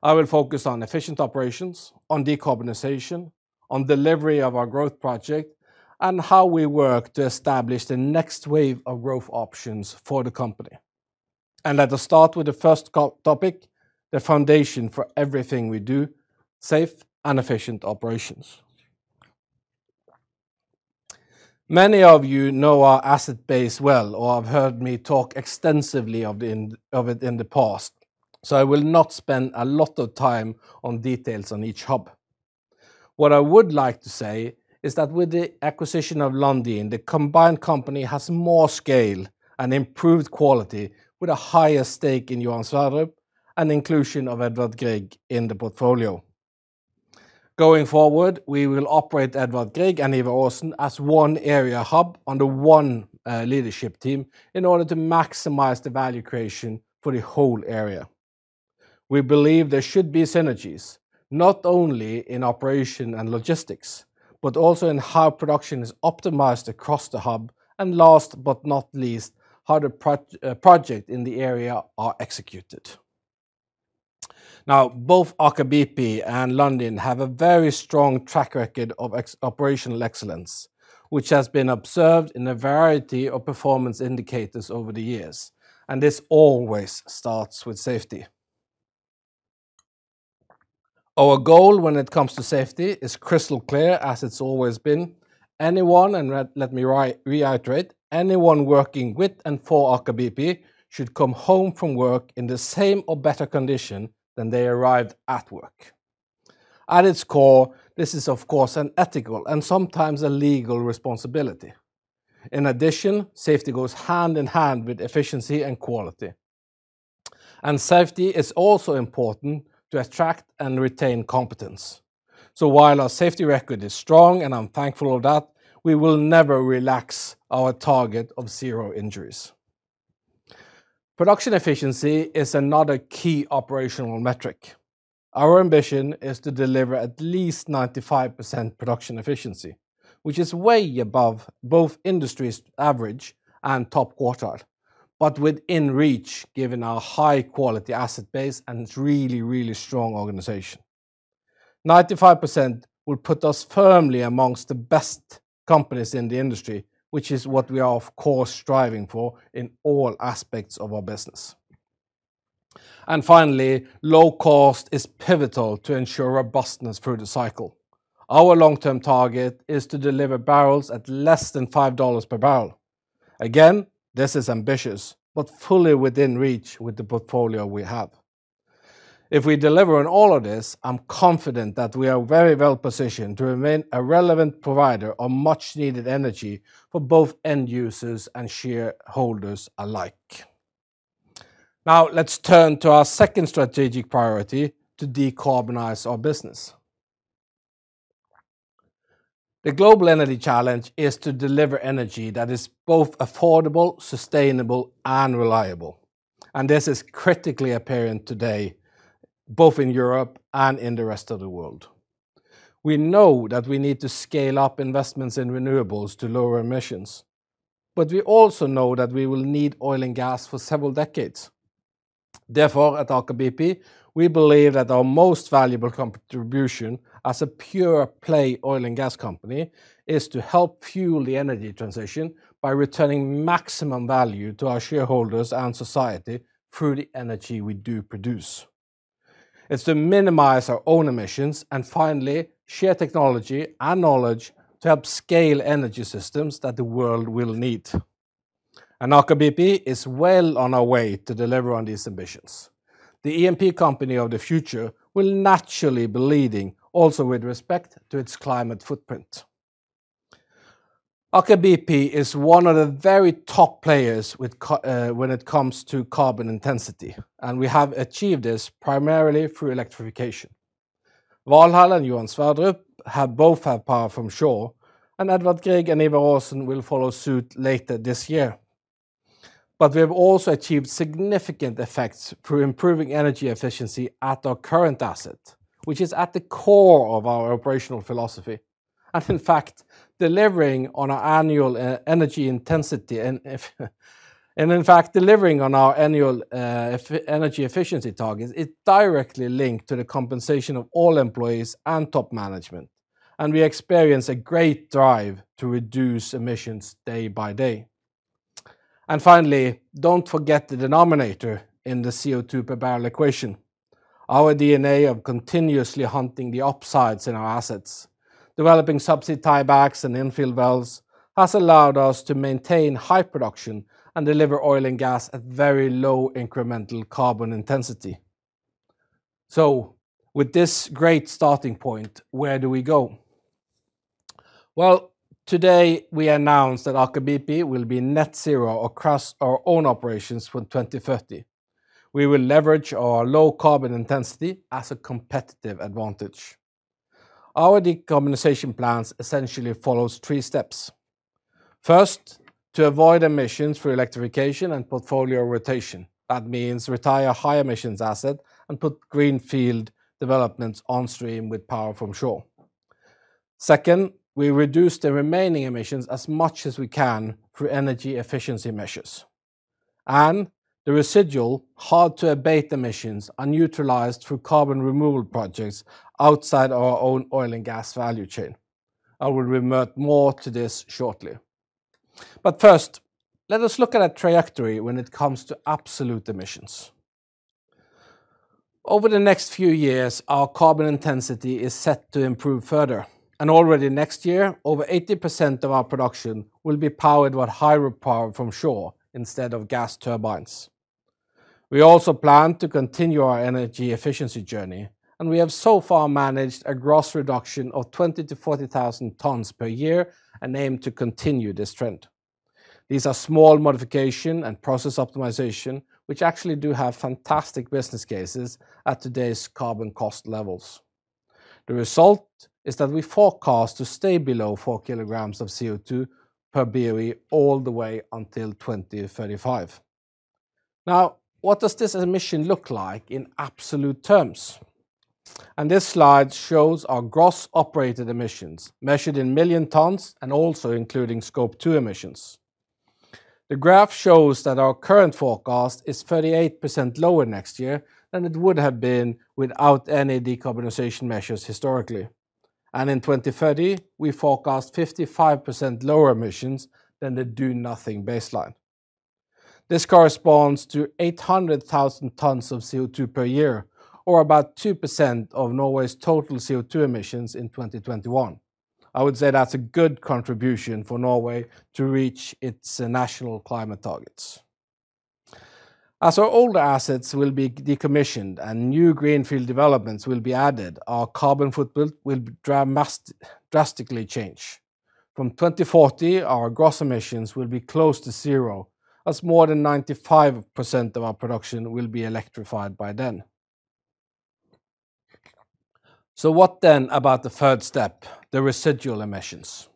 I will focus on efficient operations, on decarbonization, on delivery of our growth project, and how we work to establish the next wave of growth options for the company. Let us start with the first topic, the foundation for everything we do, safe and efficient operations. Many of you know our asset base well or have heard me talk extensively of it in the past, so I will not spend a lot of time on details on each hub. What I would like to say is that with the acquisition of Lundin, the combined company has more scale and improved quality with a higher stake in Johan Sverdrup and inclusion of Edvard Grieg in the portfolio. Going forward, we will operate Edvard Grieg and Ivar Aasen as one area hub under one leadership team in order to maximize the value creation for the whole area. We believe there should be synergies, not only in operation and logistics, but also in how production is optimized across the hub, and last but not least, how the projects in the area are executed. Now, both Aker BP and Lundin have a very strong track record of operational excellence, which has been observed in a variety of performance indicators over the years, and this always starts with safety. Our goal when it comes to safety is crystal clear, as it's always been. Anyone, let me reiterate, anyone working with and for Aker BP should come home from work in the same or better condition than they arrived at work. At its core, this is, of course, an ethical and sometimes a legal responsibility. In addition, safety goes hand in hand with efficiency and quality. Safety is also important to attract and retain competence. While our safety record is strong, and I'm thankful of that, we will never relax our target of zero injuries. Production efficiency is another key operational metric. Our ambition is to deliver at least 95% production efficiency, which is way above both industry's average and top quartile, but within reach, given our high-quality asset base and its really, really strong organization. 95% will put us firmly among the best companies in the industry, which is what we are, of course, striving for in all aspects of our business. Finally, low cost is pivotal to ensure robustness through the cycle. Our long-term target is to deliver barrels at less than $5 per barrel. Again, this is ambitious, but fully within reach with the portfolio we have. If we deliver on all of this, I'm confident that we are very well positioned to remain a relevant provider of much-needed energy for both end users and shareholders alike. Now let's turn to our second strategic priority to decarbonize our business. The global energy challenge is to deliver energy that is both affordable, sustainable, and reliable, and this is critically apparent today, both in Europe and in the rest of the world. We know that we need to scale up investments in renewables to lower emissions, but we also know that we will need oil and gas for several decades. Therefore, at Aker BP, we believe that our most valuable contribution as a pure play oil and gas company is to help fuel the energy transition by returning maximum value to our shareholders and society through the energy we do produce. It's to minimize our own emissions and finally share technology and knowledge to help scale energy systems that the world will need. Aker BP is well on our way to deliver on these ambitions. The E&P company of the future will naturally be leading also with respect to its climate footprint. Aker BP is one of the very top players with low, when it comes to carbon intensity, and we have achieved this primarily through electrification. Valhall and Johan Sverdrup have both had power from shore, and Edvard Grieg and Ivar Aasen will follow suit later this year. We have also achieved significant effects through improving energy efficiency at our current asset, which is at the core of our operational philosophy, and in fact, delivering on our annual energy efficiency targets is directly linked to the compensation of all employees and top management, and we experience a great drive to reduce emissions day by day. Finally, don't forget the denominator in the CO2 per barrel equation. Our DNA of continuously hunting the upsides in our assets. Developing subsea tiebacks and infill wells has allowed us to maintain high production and deliver oil and gas at very low incremental carbon intensity. With this great starting point, where do we go? Well, today we announced that Aker BP will be net zero across our own operations from 2030. We will leverage our low carbon intensity as a competitive advantage. Our decarbonization plans essentially follows three steps. First, to avoid emissions through electrification and portfolio rotation. That means retire high emissions asset and put greenfield developments on stream with power from shore. Second, we reduce the remaining emissions as much as we can through energy efficiency measures, and the residual hard to abate emissions are neutralized through carbon removal projects outside our own oil and gas value chain. I will revert more to this shortly. First, let us look at a trajectory when it comes to absolute emissions. Over the next few years, our carbon intensity is set to improve further, and already next year, over 80% of our production will be powered with hydropower from shore instead of gas turbines. We also plan to continue our energy efficiency journey, and we have so far managed a gross reduction of 20,000-40,000 tons per year and aim to continue this trend. These are small modification and process optimization, which actually do have fantastic business cases at today's carbon cost levels. The result is that we forecast to stay below 4 kilograms of CO₂ per BOE all the way until 2035. Now, what does this emission look like in absolute terms? This slide shows our gross operated emissions measured in million tons and also including Scope 2 emissions. The graph shows that our current forecast is 38% lower next year than it would have been without any decarbonization measures historically. In 2030, we forecast 55% lower emissions than the do nothing baseline. This corresponds to 800,000 tons of CO₂ per year, or about 2% of Norway's total CO₂ emissions in 2021. I would say that's a good contribution for Norway to reach its national climate targets. As our older assets will be decommissioned and new greenfield developments will be added, our carbon footprint will drastically change. From 2040, our gross emissions will be close to zero, as more than 95% of our production will be electrified by then. What then about the third step, the residual emissions?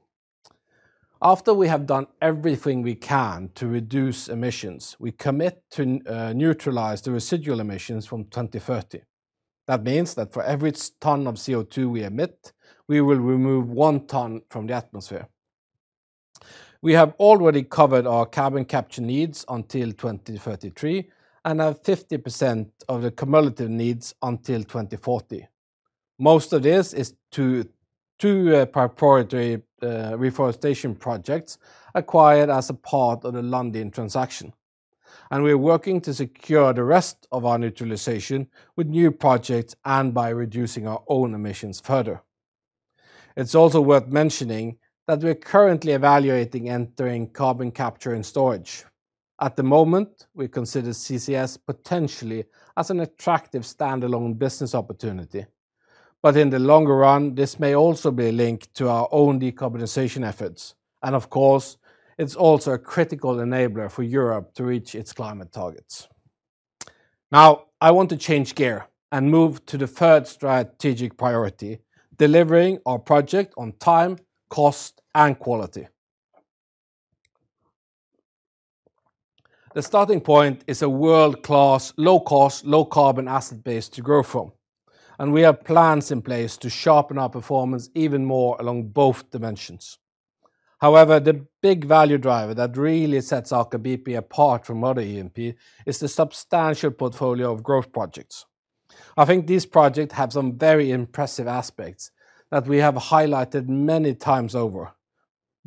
After we have done everything we can to reduce emissions, we commit to neutralize the residual emissions from 2030. That means that for every ton of CO₂ we emit, we will remove one ton from the atmosphere. We have already covered our carbon capture needs until 2033 and have 50% of the cumulative needs until 2040. Most of this is to proprietary reforestation projects acquired as a part of the Lundin transaction. We are working to secure the rest of our neutralization with new projects and by reducing our own emissions further. It's also worth mentioning that we are currently evaluating entering carbon capture and storage. At the moment, we consider CCS potentially as an attractive standalone business opportunity. In the longer run, this may also be linked to our own decarbonization efforts. Of course, it's also a critical enabler for Europe to reach its climate targets. Now I want to change gear and move to the third strategic priority, delivering our project on time, cost, and quality. The starting point is a world-class, low-cost, low-carbon asset base to grow from, and we have plans in place to sharpen our performance even more along both dimensions. However, the big value driver that really sets Aker BP apart from other E&P is the substantial portfolio of growth projects. I think these projects have some very impressive aspects that we have highlighted many times over.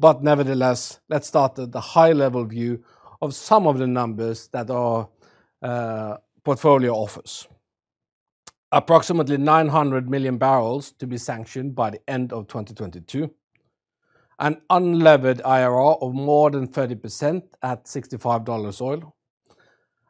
Nevertheless, let's start at the high level view of some of the numbers that our portfolio offers. Approximately 900 million barrels to be sanctioned by the end of 2022. An unlevered IRR of more than 30% at $65 oil.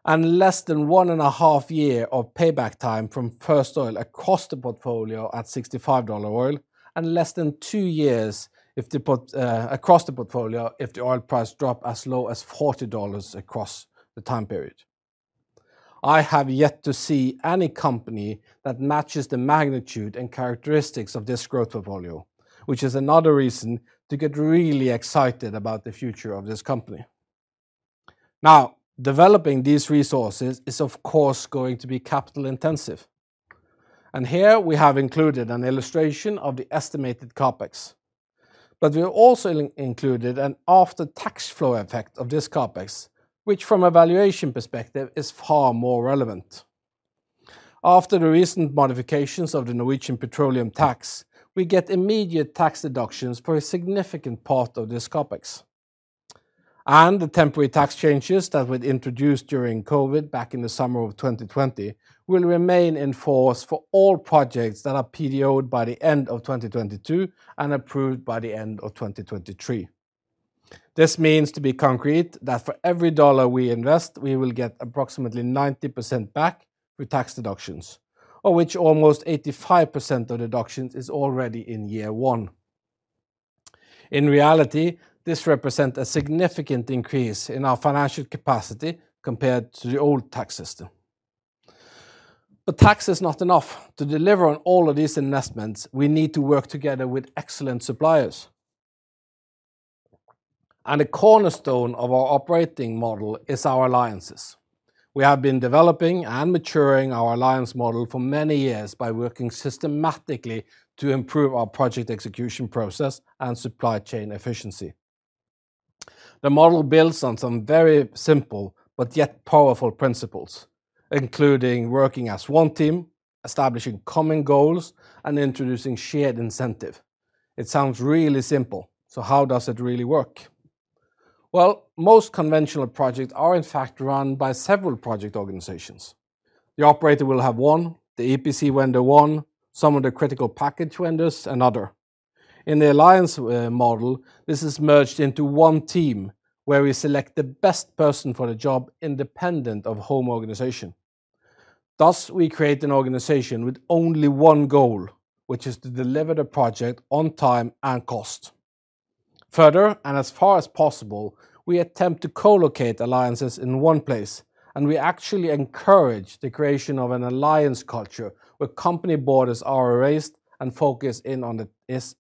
Less than one and a half year of payback time from first oil across the portfolio at $65 oil, and less than two years if the portfolio across the portfolio, if the oil price drop as low as $40 across the time period. I have yet to see any company that matches the magnitude and characteristics of this growth portfolio, which is another reason to get really excited about the future of this company. Now, developing these resources is of course going to be capital intensive, and here we have included an illustration of the estimated CapEx. We have also included an after-tax flow effect of this CapEx, which from a valuation perspective is far more relevant. After the recent modifications of the Norwegian Petroleum Tax, we get immediate tax deductions for a significant part of this CapEx. The temporary tax changes that were introduced during COVID back in the summer of 2020 will remain in force for all projects that are PDO'd by the end of 2022 and approved by the end of 2023. This means, to be concrete, that for every dollar we invest, we will get approximately 90% back through tax deductions, of which almost 85% of deductions is already in year one. In reality, this represent a significant increase in our financial capacity compared to the old tax system. Tax is not enough. To deliver on all of these investments, we need to work together with excellent suppliers. A cornerstone of our operating model is our alliances. We have been developing and maturing our alliance model for many years by working systematically to improve our project execution process and supply chain efficiency. The model builds on some very simple but yet powerful principles, including working as one team, establishing common goals, and introducing shared incentive. It sounds really simple, so how does it really work? Well, most conventional projects are in fact run by several project organizations. The operator will have one, the EPC vendor one, some of the critical package vendors, another. In the alliance model, this is merged into one team where we select the best person for the job independent of home organization. Thus, we create an organization with only one goal, which is to deliver the project on time and cost. Further, and as far as possible, we attempt to co-locate alliances in one place, and we actually encourage the creation of an alliance culture where company borders are erased and focus is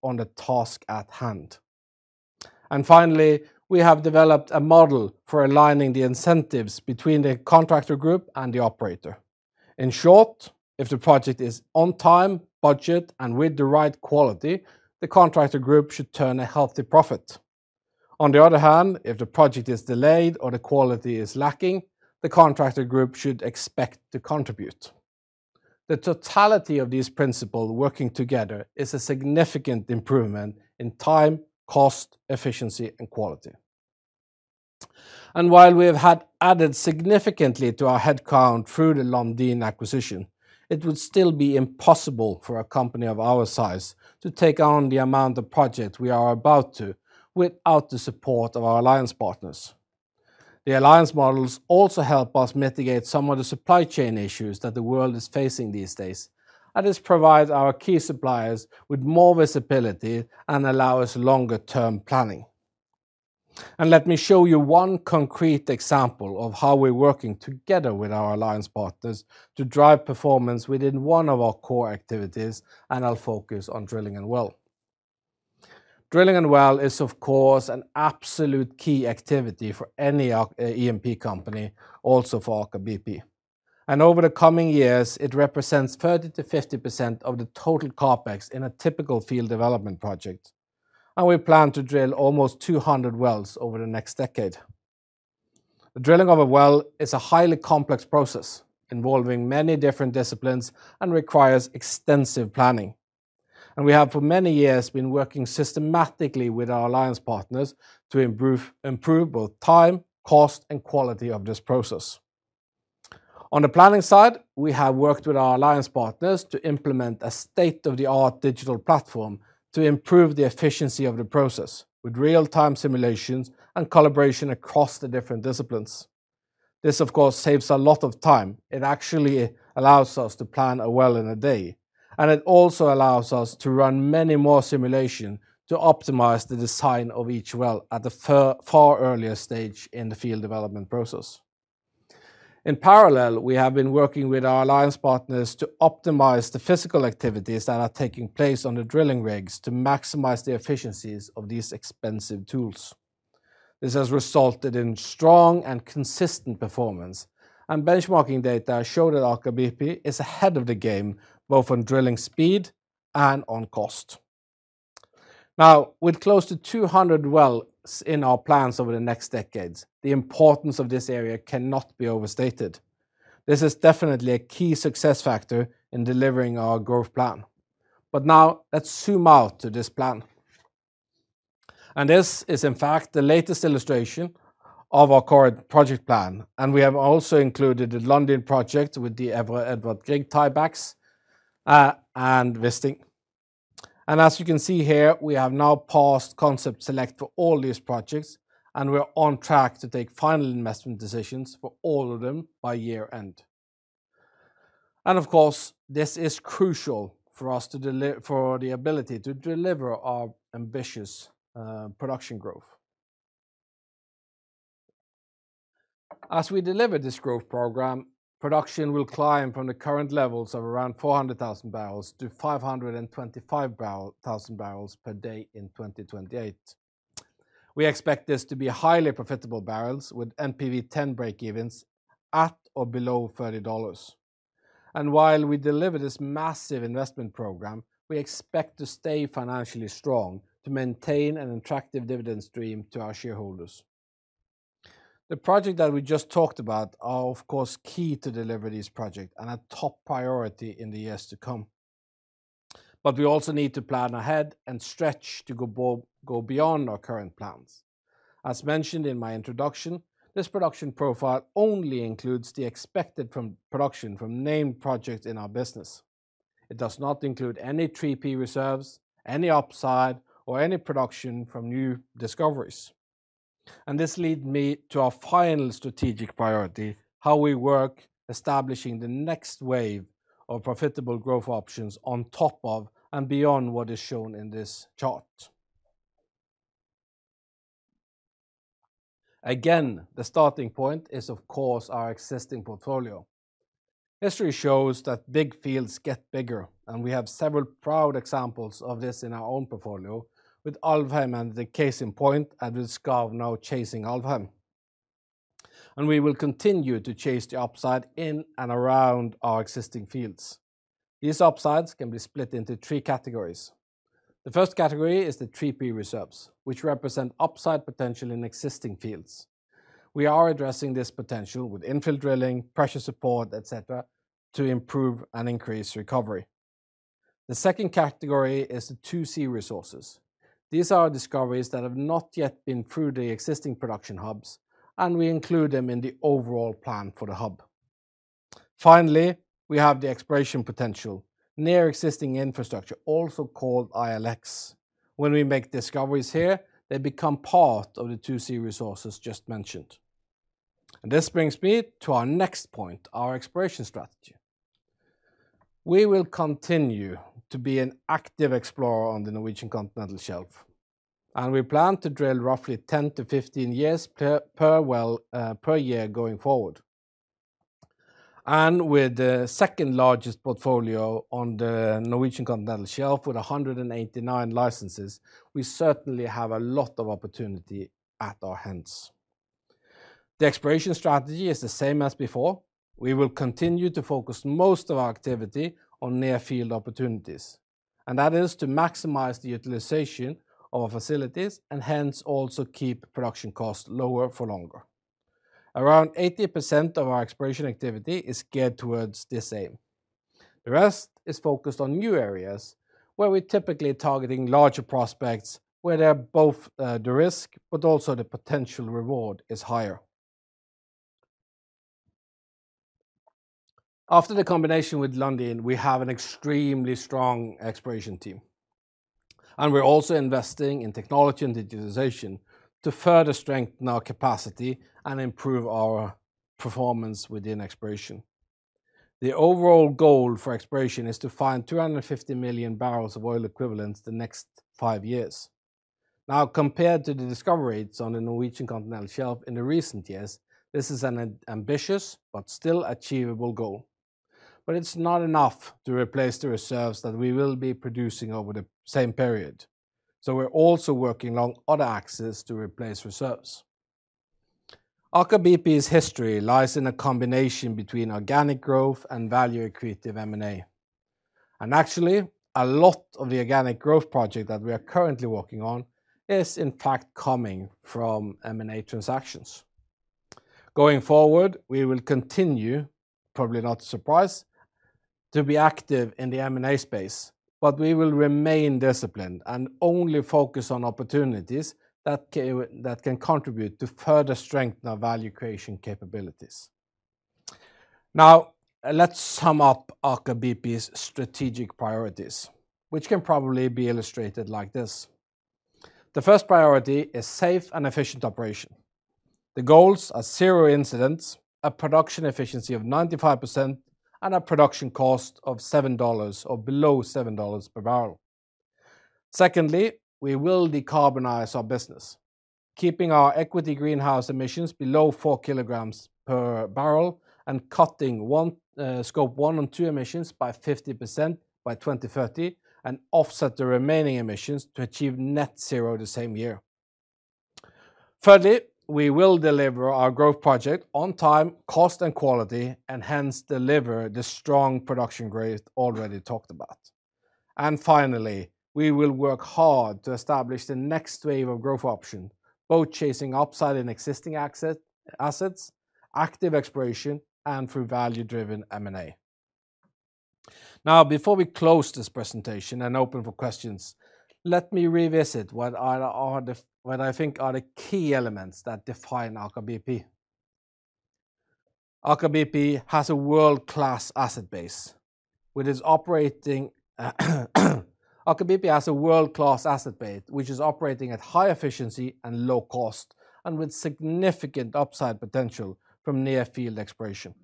on the task at hand. Finally, we have developed a model for aligning the incentives between the contractor group and the operator. In short, if the project is on time, budget, and with the right quality, the contractor group should turn a healthy profit. On the other hand, if the project is delayed or the quality is lacking, the contractor group should expect to contribute. The totality of these principles working together is a significant improvement in time, cost, efficiency, and quality. While we have added significantly to our headcount through the Lundin acquisition, it would still be impossible for a company of our size to take on the amount of projects we are about to without the support of our alliance partners. The alliance models also help us mitigate some of the supply chain issues that the world is facing these days, and this provides our key suppliers with more visibility and allow us longer-term planning. Let me show you one concrete example of how we're working together with our alliance partners to drive performance within one of our core activities, and I'll focus on drilling and well. Drilling and well is, of course, an absolute key activity for any E&P company, also for Aker BP. Over the coming years, it represents 30%-50% of the total CapEx in a typical field development project. We plan to drill almost 200 wells over the next decade. The drilling of a well is a highly complex process involving many different disciplines and requires extensive planning. We have for many years been working systematically with our alliance partners to improve both time, cost, and quality of this process. On the planning side, we have worked with our alliance partners to implement a state-of-the-art digital platform to improve the efficiency of the process with real-time simulations and collaboration across the different disciplines. This, of course, saves a lot of time. It actually allows us to plan a well in a day, and it also allows us to run many more simulations to optimize the design of each well at a far earlier stage in the field development process. In parallel, we have been working with our alliance partners to optimize the physical activities that are taking place on the drilling rigs to maximize the efficiencies of these expensive tools. This has resulted in strong and consistent performance, and benchmarking data show that Aker BP is ahead of the game, both on drilling speed and on cost. Now, with close to 200 wells in our plans over the next decades, the importance of this area cannot be overstated. This is definitely a key success factor in delivering our growth plan. Now, let's zoom out to this plan. This is, in fact, the latest illustration of our current project plan, and we have also included the Lundin project with the Edvard Grieg tiebacks, and Wisting. As you can see here, we have now passed concept select for all these projects, and we are on track to take final investment decisions for all of them by year-end. Of course, this is crucial for us to for the ability to deliver our ambitious production growth. As we deliver this growth program, production will climb from the current levels of around 400,000 barrels to 525,000 barrels per day in 2028. We expect this to be highly profitable barrels with NPV-10 break-evens at or below $30. While we deliver this massive investment program, we expect to stay financially strong to maintain an attractive dividend stream to our shareholders. The project that we just talked about are, of course, key to deliver this project and a top priority in the years to come. We also need to plan ahead and stretch to go beyond our current plans. As mentioned in my introduction, this production profile only includes the expected production from named projects in our business. It does not include any 3P reserves, any upside, or any production from new discoveries. This leads me to our final strategic priority, how we work establishing the next wave of profitable growth options on top of and beyond what is shown in this chart. Again, the starting point is, of course, our existing portfolio. History shows that big fields get bigger, and we have several proud examples of this in our own portfolio with Alvheim and the case in point and with Skarv now chasing Alvheim. We will continue to chase the upside in and around our existing fields. These upsides can be split into three categories. The first category is the 3P reserves, which represent upside potential in existing fields. We are addressing this potential with infill drilling, pressure support, et cetera, to improve and increase recovery. The second category is the 2C resources. These are discoveries that have not yet been through the existing production hubs, and we include them in the overall plan for the hub. Finally, we have the exploration potential, near existing infrastructure, also called ILX. When we make discoveries here, they become part of the 2C resources just mentioned. This brings me to our next point, our exploration strategy. We will continue to be an active explorer on the Norwegian continental shelf, and we plan to drill roughly 10-15 wells per year going forward. With the second largest portfolio on the Norwegian continental shelf, with 189 licenses, we certainly have a lot of opportunity at our hands. The exploration strategy is the same as before. We will continue to focus most of our activity on near field opportunities, and that is to maximize the utilization of our facilities and hence also keep production costs lower for longer. Around 80% of our exploration activity is geared towards this aim. The rest is focused on new areas where we're typically targeting larger prospects, where they are both, the risk, but also the potential reward is higher. After the combination with Lundin, we have an extremely strong exploration team, and we're also investing in technology and digitization to further strengthen our capacity and improve our performance within exploration. The overall goal for exploration is to find 250 million barrels of oil equivalent the next five years. Now, compared to the discovery rates on the Norwegian continental shelf in the recent years, this is an ambitious but still achievable goal. It's not enough to replace the reserves that we will be producing over the same period. We're also working on other assets to replace reserves. Aker BP's history lies in a combination between organic growth and value accretive M&A. Actually, a lot of the organic growth project that we are currently working on is in fact coming from M&A transactions. Going forward, we will continue, probably no surprise, to be active in the M&A space, but we will remain disciplined and only focus on opportunities that can contribute to further strengthen our value creation capabilities. Now, let's sum up Aker BP's strategic priorities, which can probably be illustrated like this. The first priority is safe and efficient operation. The goals are zero incidents, a production efficiency of 95%, and a production cost of $7 or below $7 per barrel. Secondly, we will decarbonize our business, keeping our equity greenhouse emissions below four kilograms per barrel and cutting our Scope 1 and Scope 2 emissions by 50% by 2030 and offset the remaining emissions to achieve net zero the same year. Thirdly, we will deliver our growth project on time, cost, and quality and hence deliver the strong production growth already talked about. Finally, we will work hard to establish the next wave of growth option, both chasing upside in existing assets, active exploration, and through value-driven M&A. Now, before we close this presentation and open for questions, let me revisit what I think are the key elements that define Aker BP. Aker BP has a world-class asset base, which is operating at high efficiency and low cost and with significant upside potential from near field exploration.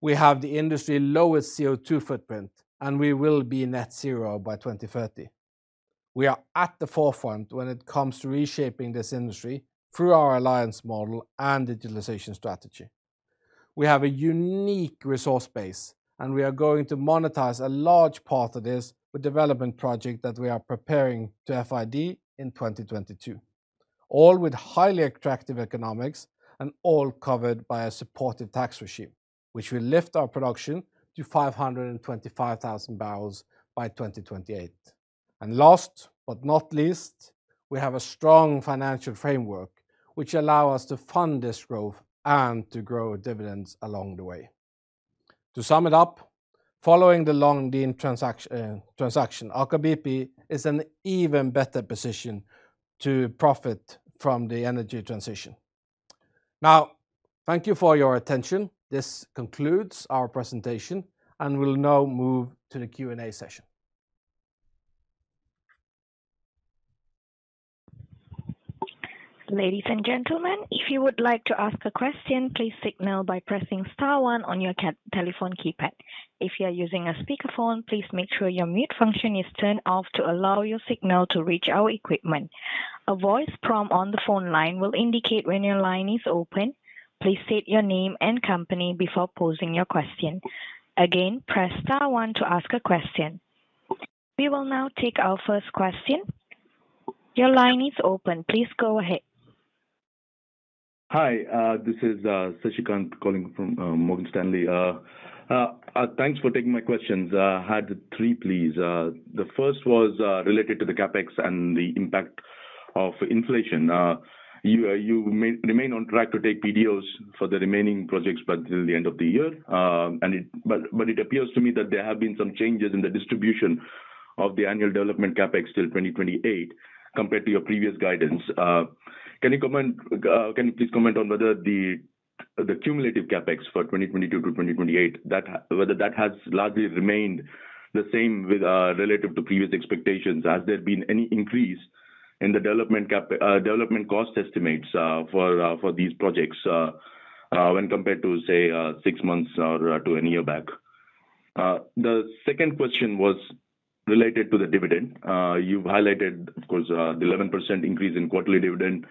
We have the industry's lowest CO2 footprint, and we will be net zero by 2030. We are at the forefront when it comes to reshaping this industry through our alliance model and digitalization strategy. We have a unique resource base, and we are going to monetize a large part of this with development project that we are preparing to FID in 2022, all with highly attractive economics and all covered by a supportive tax regime, which will lift our production to 525,000 barrels by 2028. Last but not least, we have a strong financial framework which allow us to fund this growth and to grow dividends along the way. To sum it up, following the Lundin transaction, Aker BP is in even better position to profit from the energy transition. Now, thank you for your attention. This concludes our presentation, and we'll now move to the Q&A session. Ladies and gentlemen, if you would like to ask a question, please signal by pressing star one on your telephone keypad. If you're using a speakerphone, please make sure your mute function is turned off to allow your signal to reach our equipment. A voice prompt on the phone line will indicate when your line is open. Please state your name and company before posing your question. Again, press star one to ask a question. We will now take our first question. Your line is open. Please go ahead. Hi, this is Sasikanth calling from Morgan Stanley. Thanks for taking my questions. I had three, please. The first was related to the CapEx and the impact of inflation. You remain on track to take PDOs for the remaining projects by the end of the year. It appears to me that there have been some changes in the distribution of the annual development CapEx till 2028 compared to your previous guidance. Can you please comment on whether the cumulative CapEx for 2022 to 2028, whether that has largely remained the same with relative to previous expectations. Has there been any increase in the development CapEx, development cost estimates, for these projects, when compared to, say, six months or to a year back? The second question was related to the dividend. You highlighted, of course, the 11% increase in quarterly dividend,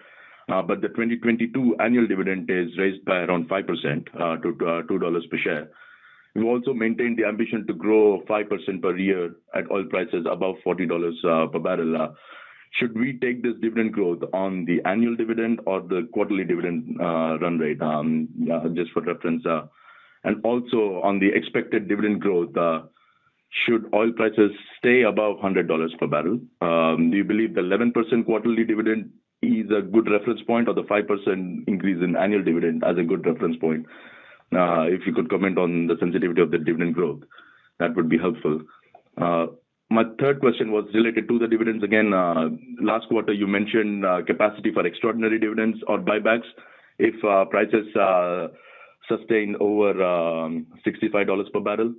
but the 2022 annual dividend is raised by around 5%, to $2 per share. You also maintained the ambition to grow 5% per year at oil prices above $40 per barrel. Should we take this dividend growth on the annual dividend or the quarterly dividend run rate, just for reference? On the expected dividend growth, should oil prices stay above $100 per barrel, do you believe the 11% quarterly dividend is a good reference point or the 5% increase in annual dividend as a good reference point? If you could comment on the sensitivity of the dividend growth, that would be helpful. My third question was related to the dividends again. Last quarter you mentioned capacity for extraordinary dividends or buybacks if prices sustain over $65 per barrel.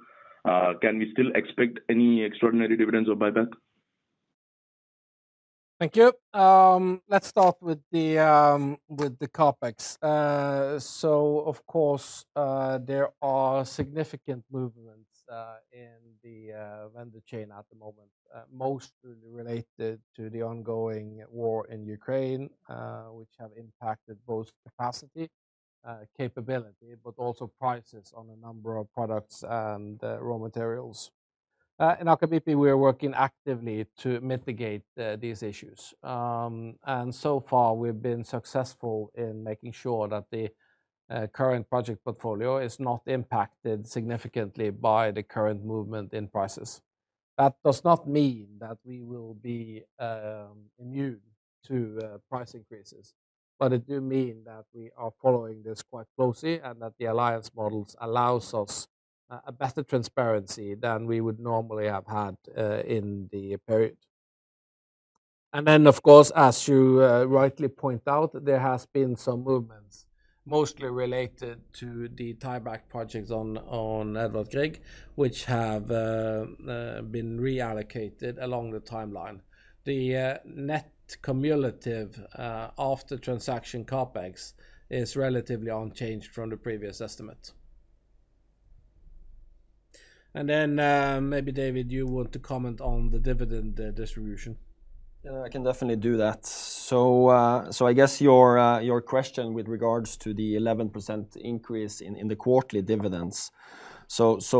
Can we still expect any extraordinary dividends or buyback? Thank you. Let's start with the CapEx. Of course, there are significant movements in the vendor chain at the moment, mostly related to the ongoing war in Ukraine, which have impacted both capacity, capability, but also prices on a number of products and raw materials. In Aker BP, we are working actively to mitigate these issues. So far, we've been successful in making sure that the current project portfolio is not impacted significantly by the current movement in prices. That does not mean that we will be immune to price increases, but it do mean that we are following this quite closely and that the alliance models allows us a better transparency than we would normally have had in the period. Of course, as you rightly point out, there has been some movements, mostly related to the tieback projects on Edvard Grieg, which have been reallocated along the timeline. The net cumulative after transaction CapEx is relatively unchanged from the previous estimate. Maybe David, you want to comment on the dividend distribution. Yeah, I can definitely do that. I guess your question with regards to the 11% increase in the quarterly dividends.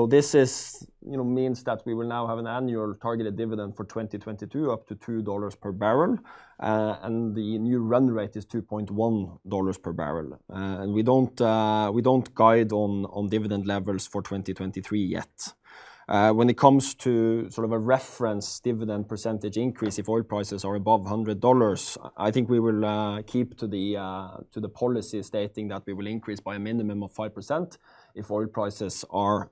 This, you know, means that we will now have an annual targeted dividend for 2022 up to $2 per barrel. The new run rate is $2.1 per barrel. We don't guide on dividend levels for 2023 yet. When it comes to sort of a reference dividend percentage increase if oil prices are above $100, I think we will keep to the policy stating that we will increase by a minimum of 5% if oil prices are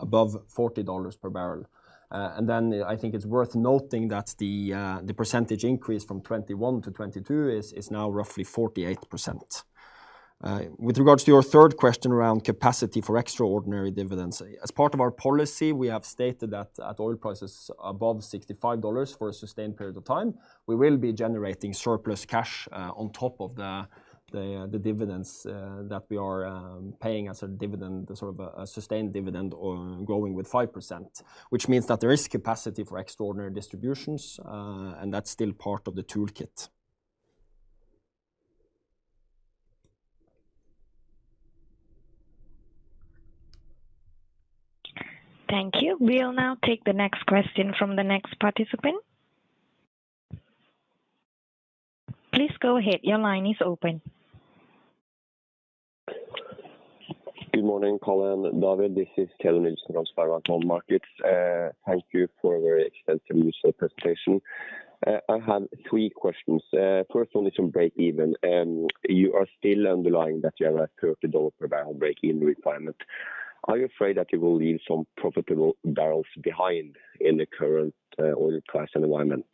above $40 per barrel. I think it's worth noting that the percentage increase from 21-22 is now roughly 48%. With regards to your third question around capacity for extraordinary dividends. As part of our policy, we have stated that at oil prices above $65 for a sustained period of time, we will be generating surplus cash on top of the dividends that we are paying as a dividend, sort of a sustained dividend or growing with 5%. Which means that there is capacity for extraordinary distributions, and that's still part of the toolkit. Thank you. We'll now take the next question from the next participant. Please go ahead. Your line is open. Good morning, Karl Johnny Hersvik, David Tønne. This is Keld Nielsen from SpareBank 1 Markets. Thank you for a very extensive, useful presentation. I have three questions. First one is on breakeven. You are still underlying that you have a $30 per barrel breakeven requirement. Are you afraid that you will leave some profitable barrels behind in the current oil price environment?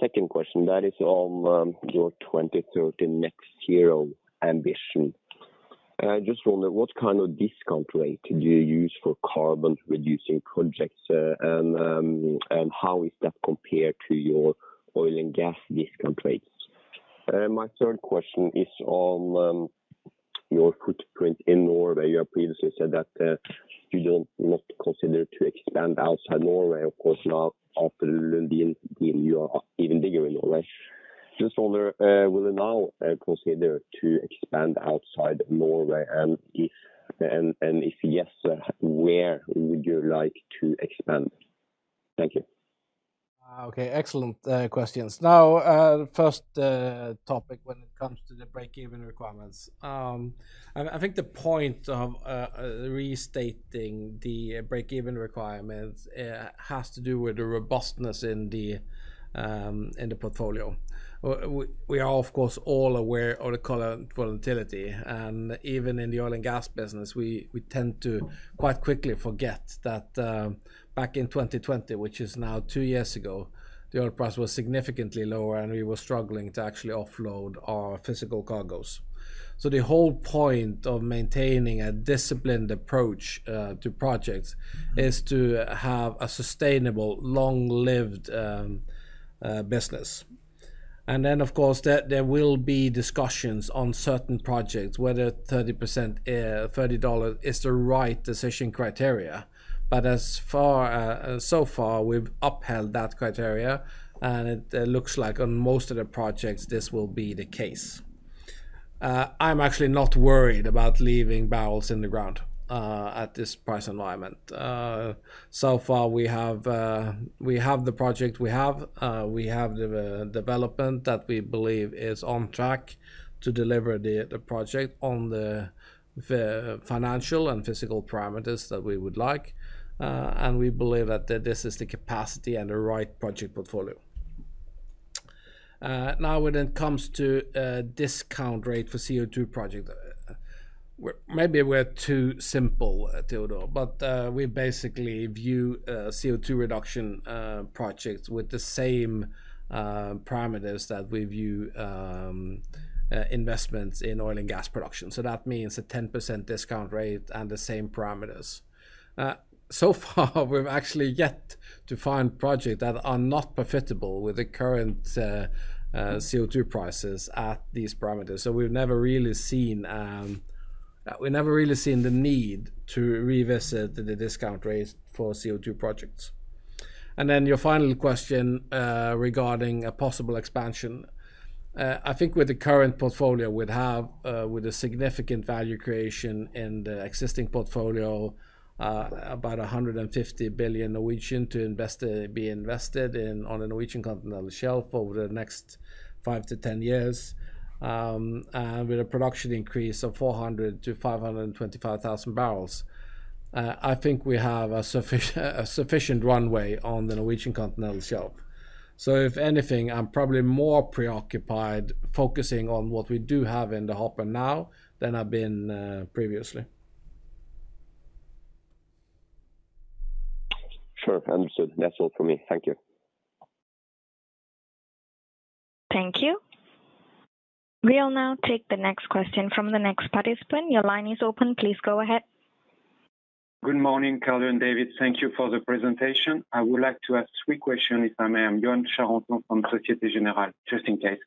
Second question, that is on your 2030 net-zero ambition. Just wonder what kind of discount rate do you use for carbon-reducing projects, and how is that compared to your oil and gas discount rates? My third question is on your footprint in Norway. You have previously said that you don't want to consider to expand outside Norway. Of course, now after Lundin, you are even bigger in Norway. Just wonder, will you now consider to expand outside Norway? If yes, where would you like to expand? Thank you. Okay, excellent questions. Now, first topic when it comes to the breakeven requirements. I think the point of restating the breakeven requirements has to do with the robustness in the portfolio. We are of course all aware of the current volatility, and even in the oil and gas business, we tend to quite quickly forget that back in 2020, which is now two years ago, the oil price was significantly lower, and we were struggling to actually offload our physical cargoes. The whole point of maintaining a disciplined approach to projects is to have a sustainable long-lived business. Then of course there will be discussions on certain projects whether 30%, $30 is the right decision criteria. As far so far, we've upheld that criteria, and it looks like on most of the projects, this will be the case. I'm actually not worried about leaving barrels in the ground at this price environment. So far we have the project we have. We have the development that we believe is on track to deliver the project on the financial and physical parameters that we would like. We believe that this is the capacity and the right project portfolio. Now when it comes to discount rate for CO2 project, maybe we're too simple, Keld Nielsen, but we basically view CO2 reduction projects with the same parameters that we view investments in oil and gas production. That means a 10% discount rate and the same parameters. So far we've actually yet to find projects that are not profitable with the current CO2 prices at these parameters. We've never really seen the need to revisit the discount rates for CO2 projects. Then your final question regarding a possible expansion. I think with the current portfolio, we'd have, with a significant value creation in the existing portfolio, about 150 billion to be invested in on the Norwegian continental shelf over the next 5-10 years. With a production increase of 400-525,000 barrels, I think we have a sufficient runway on the Norwegian continental shelf. If anything, I'm probably more preoccupied focusing on what we do have in the hopper now than I've been previously. Sure. Understood. That's all for me. Thank you. Thank you. We'll now take the next question from the next participant. Your line is open. Please go ahead. Good morning, Karl Johnny Hersvik and David Tønne. Thank you for the presentation. I would like to ask three questions, if I may. I'm Yoann Charenton from Société Générale, just in case.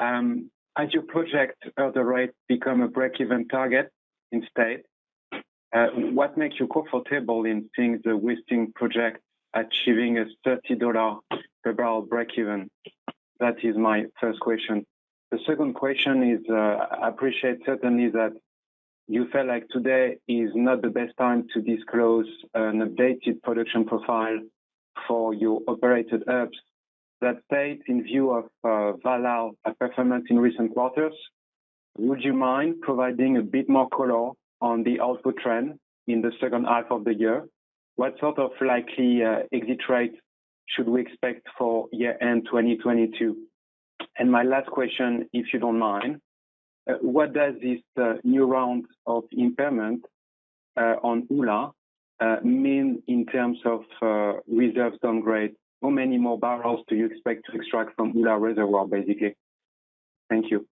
As you project the rate become a break-even target instead, what makes you comfortable in seeing the Wisting project achieving a $30 per barrel break even? That is my first question. The second question is, I appreciate certainly that you feel like today is not the best time to disclose an updated production profile for your operated hubs as stated in view of outperformance in recent quarters. Would you mind providing a bit more color on the output trend in the second half of the year? What sort of likely exit rate should we expect for year-end 2022? My last question, if you don't mind, what does this new round of impairment on Ula mean in terms of reserves downgrade? How many more barrels do you expect to extract from Ula reservoir, basically? Thank you.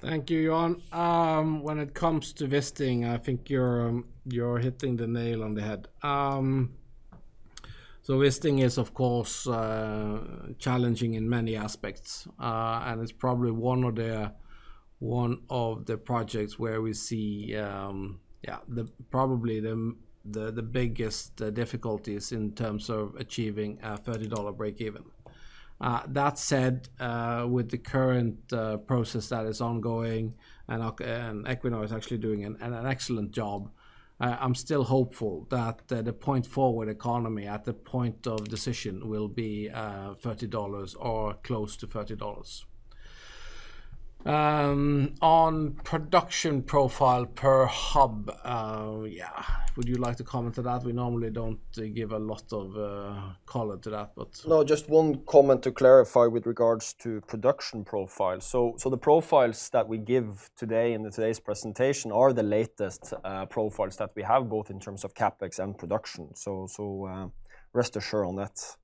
Thank you, Yoann. When it comes to Wisting, I think you're hitting the nail on the head. Wisting is of course challenging in many aspects. It's probably one of the projects where we see the biggest difficulties in terms of achieving a $30 breakeven. That said, with the current process that is ongoing and Equinor is actually doing an excellent job, I'm still hopeful that the point forward economy at the point of decision will be $30 or close to $30. On production profile per hub. Would you like to comment to that? We normally don't give a lot of color to that, but No, just one comment to clarify with regards to production profiles. The profiles that we give today in today's presentation are the latest profiles that we have both in terms of CapEx and production. Rest assured on that.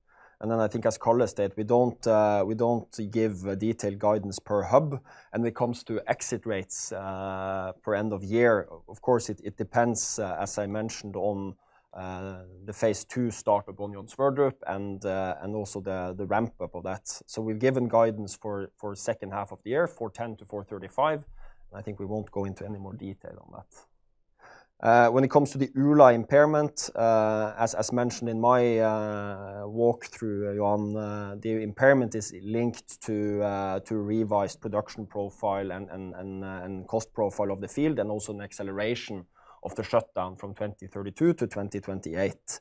Then I think as Karl Johnny Hersvik said, we don't give detailed guidance per hub. When it comes to exit rates per end of year, of course, it depends, as I mentioned, on the phase two start upon Johan Sverdrup and also the ramp up of that. We've given guidance for second half of the year, 410-435. I think we won't go into any more detail on that. When it comes to the Ula impairment, as mentioned in my walkthrough, Yoann, the impairment is linked to revised production profile and cost profile of the field, and also an acceleration of the shutdown from 2032 to 2028.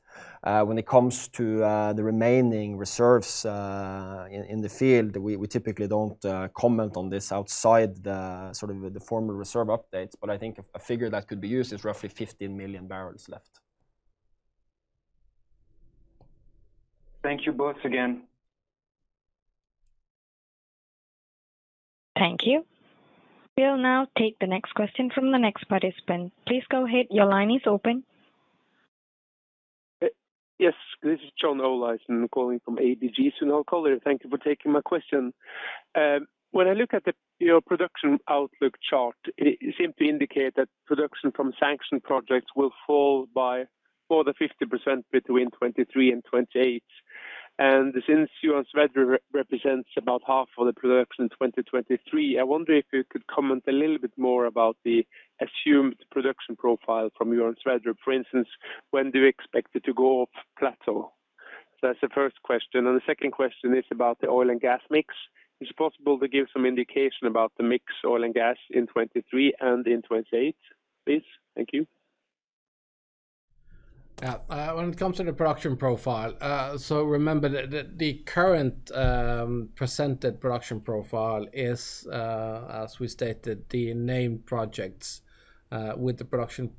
When it comes to the remaining reserves in the field, we typically don't comment on this outside the sort of the formal reserve updates, but I think a figure that could be used is roughly 15 million barrels left. Thank you both again. Thank you. We'll now take the next question from the next participant. Please go ahead. Your line is open. Yes, this is John Olaisen calling from ABG Sundal Collier. Thank you for taking my question. When I look at your production outlook chart, it seems to indicate that production from sanctioned projects will fall by more than 50% between 2023 and 2028. Since Johan Sverdrup represents about half of the production in 2023, I wonder if you could comment a little bit more about the assumed production profile from Johan Sverdrup. For instance, when do you expect it to go off plateau? That's the first question. The second question is about the oil and gas mix. Is it possible to give some indication about the mix of oil and gas in 2023 and in 2028, please? Thank you. When it comes to the production profile, remember the current presented production profile is, as we stated, the named projects with the production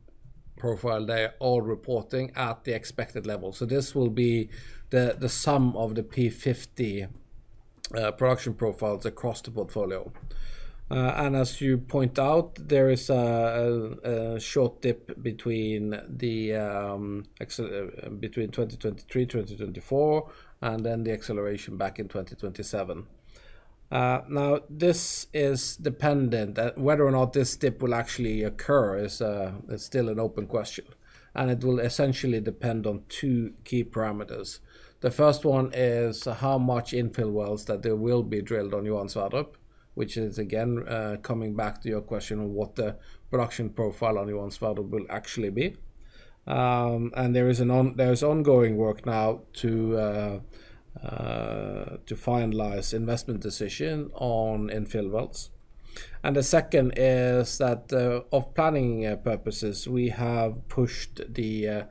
profile. They're all reporting at the expected level. This will be the sum of the P50 production profiles across the portfolio. As you point out, there is a short dip between 2023, 2024, and then the acceleration back in 2027. Now this is dependent. Whether or not this dip will actually occur is still an open question, and it will essentially depend on two key parameters. The first one is how much infill wells that there will be drilled on Johan Sverdrup, which is again, coming back to your question on what the production profile on Johan Sverdrup will actually be. There is ongoing work now to finalize investment decision on infill wells. The second is that, for planning purposes, we have pushed the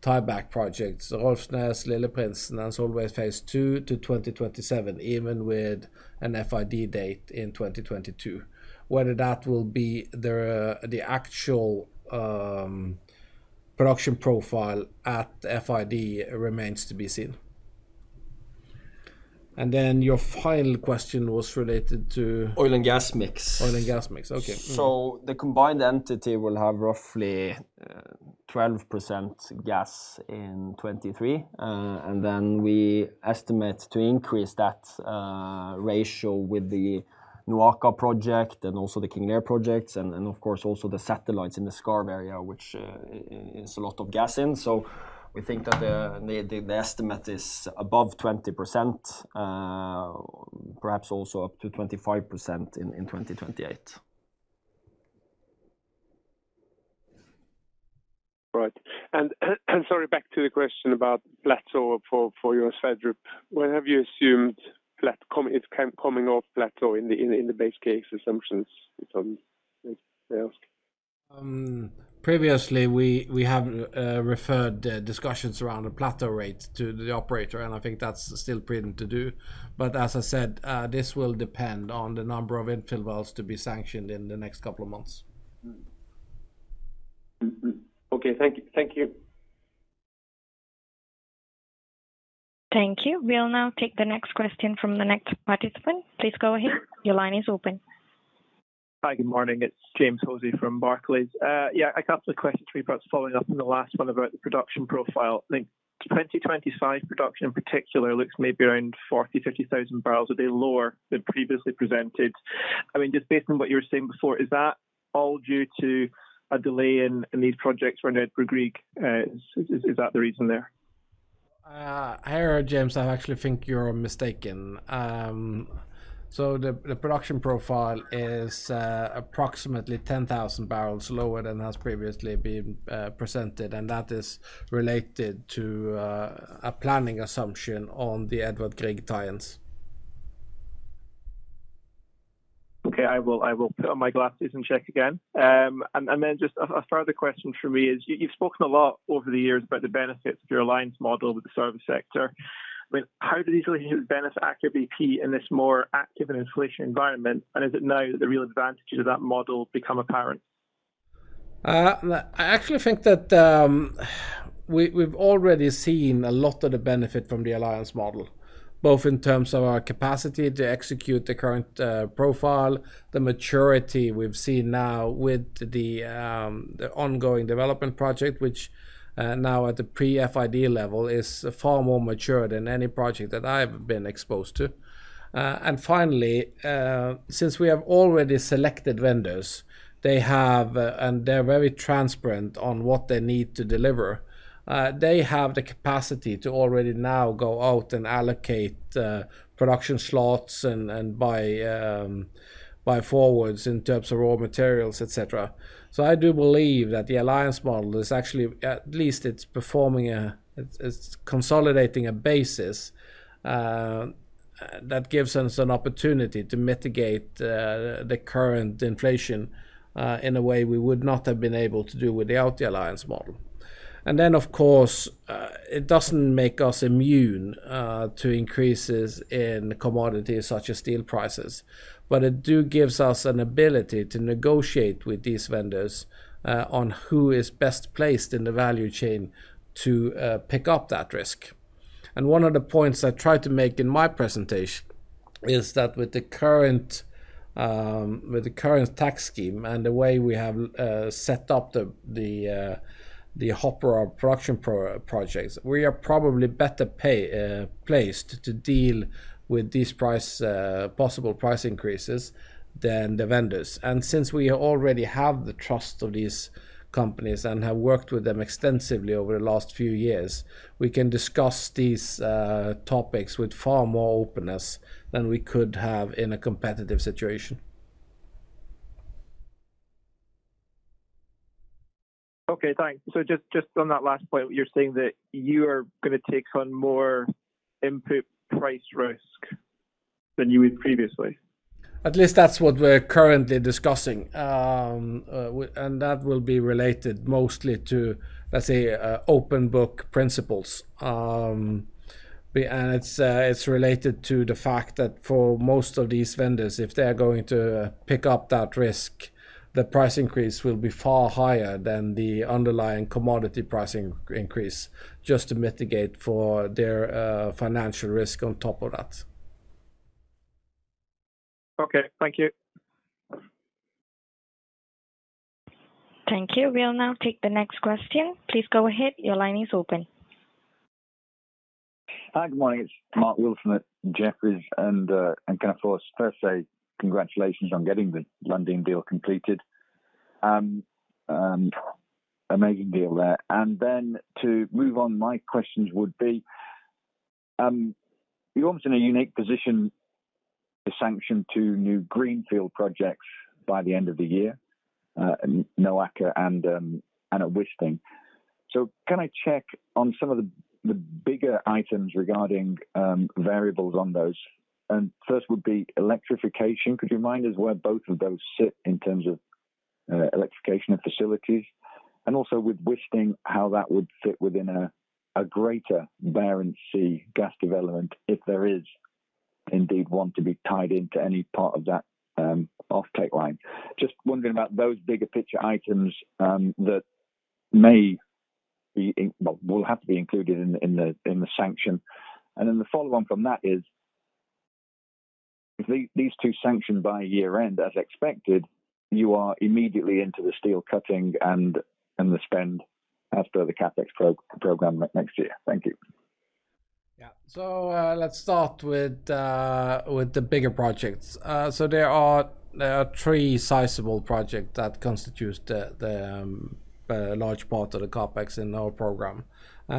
tieback projects, Rolfsnes, Lilleprinsen, and Alvheim Phase Two to 2027, even with an FID date in 2022. Whether that will be their the actual production profile at FID remains to be seen. Then your final question was related to- Oil and Gas Mix Oil and gas mix. Okay. The combined entity will have roughly 12% gas in 2023. We estimate to increase that ratio with the Noaka project and also the King Lear projects and, of course, also the satellites in the Skarv area, which is a lot of gas in. We think that the estimate is above 20%, perhaps also up to 25% in 2028. Right. Sorry, back to the question about plateau for Johan Sverdrup. When have you assumed it's coming off plateau in the base case assumptions on Previously, we have referred the discussions around the plateau rate to the operator, and I think that's still prudent to do. As I said, this will depend on the number of infill wells to be sanctioned in the next couple of months. Okay. Thank you. Thank you. Thank you. We'll now take the next question from the next participant. Please go ahead. Your line is open. Hi, good morning. It's James Hosie from Barclays. I have a couple of questions to you folks following up on the last one about the production profile. I think 2025 production in particular looks maybe around 40,000-50,000 barrels a day lower than previously presented. I mean, just based on what you were saying before, is that all due to a delay in these projects for Edvard Grieg? Is that the reason there? Here, James, I actually think you're mistaken. The production profile is approximately 10,000 barrels lower than has previously been presented, and that is related to a planning assumption on the Edvard Grieg tie-ins. Okay. I will put on my glasses and check again. Then just a further question from me is, you've spoken a lot over the years about the benefits of your alliance model with the service sector. I mean, how do these relationships benefit Aker BP in this more active and inflationary environment, and is it now that the real advantages of that model become apparent? I actually think that we've already seen a lot of the benefit from the alliance model, both in terms of our capacity to execute the current profile, the maturity we've seen now with the ongoing development project, which now at the pre-FID level is far more mature than any project that I've been exposed to. Finally, since we have already selected vendors, they have, and they're very transparent on what they need to deliver, they have the capacity to already now go out and allocate production slots and buy forwards in terms of raw materials, et cetera. I do believe that the alliance model is actually, at least it's consolidating a basis that gives us an opportunity to mitigate the current inflation in a way we would not have been able to do without the alliance model. Of course, it doesn't make us immune to increases in commodities such as steel prices. It do gives us an ability to negotiate with these vendors on who is best placed in the value chain to pick up that risk. One of the points I tried to make in my presentation is that with the current tax scheme and the way we have set up the Hopper production projects, we are probably better placed to deal with these possible price increases than the vendors. Since we already have the trust of these companies and have worked with them extensively over the last few years, we can discuss these topics with far more openness than we could have in a competitive situation. Okay, thanks. Just on that last point, you're saying that you are gonna take on more input price risk than you would previously? At least that's what we're currently discussing. That will be related mostly to, let's say, open book principles. It's related to the fact that for most of these vendors, if they're going to pick up that risk, the price increase will be far higher than the underlying commodity pricing increase just to mitigate for their financial risk on top of that. Okay. Thank you. Thank you. We'll now take the next question. Please go ahead. Your line is open. Hi. Good morning. It's Mark Wilson at Jefferies. Can I first say congratulations on getting the Lundin deal completed. Amazing deal there. To move on, my questions would be, you're obviously in a unique position to sanction two new greenfield projects by the end of the year, Noaka and Wisting. Can I check on some of the bigger items regarding variables on those? First would be electrification. Could you remind us where both of those sit in terms of electrification of facilities? Also with Wisting, how that would fit within a greater Barents Sea gas development, if there is indeed one to be tied into any part of that off-take line? Just wondering about those bigger picture items that may be in. Well, will have to be included in the sanction. Then the follow on from that is if these two sanctioned by year-end as expected, you are immediately into the steel cutting and the spend as per the CapEx program next year. Thank you. Let's start with the bigger projects. There are three sizable project that constitutes the large part of the CapEx in our program.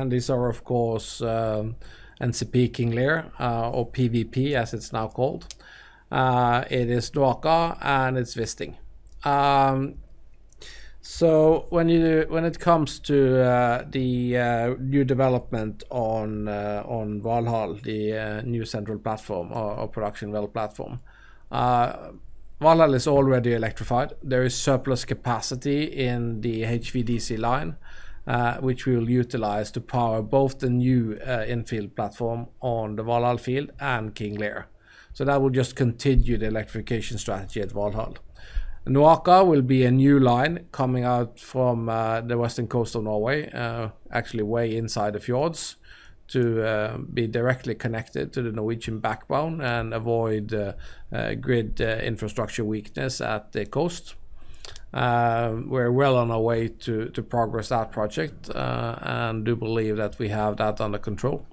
These are, of course, NCP King Lear, or PWP as it's now called. It is Noaka, and it's Wisting. When it comes to the new development on Valhall, the new central platform or production well platform, Valhall is already electrified. There is surplus capacity in the HVDC line, which we'll utilize to power both the new infill platform on the Valhall field and King Lear. That will just continue the electrification strategy at Valhall. Noaka will be a new line coming out from the western coast of Norway, actually way inside the fjords to be directly connected to the Norwegian backbone and avoid grid infrastructure weakness at the coast. We're well on our way to progress that project and do believe that we have that under control.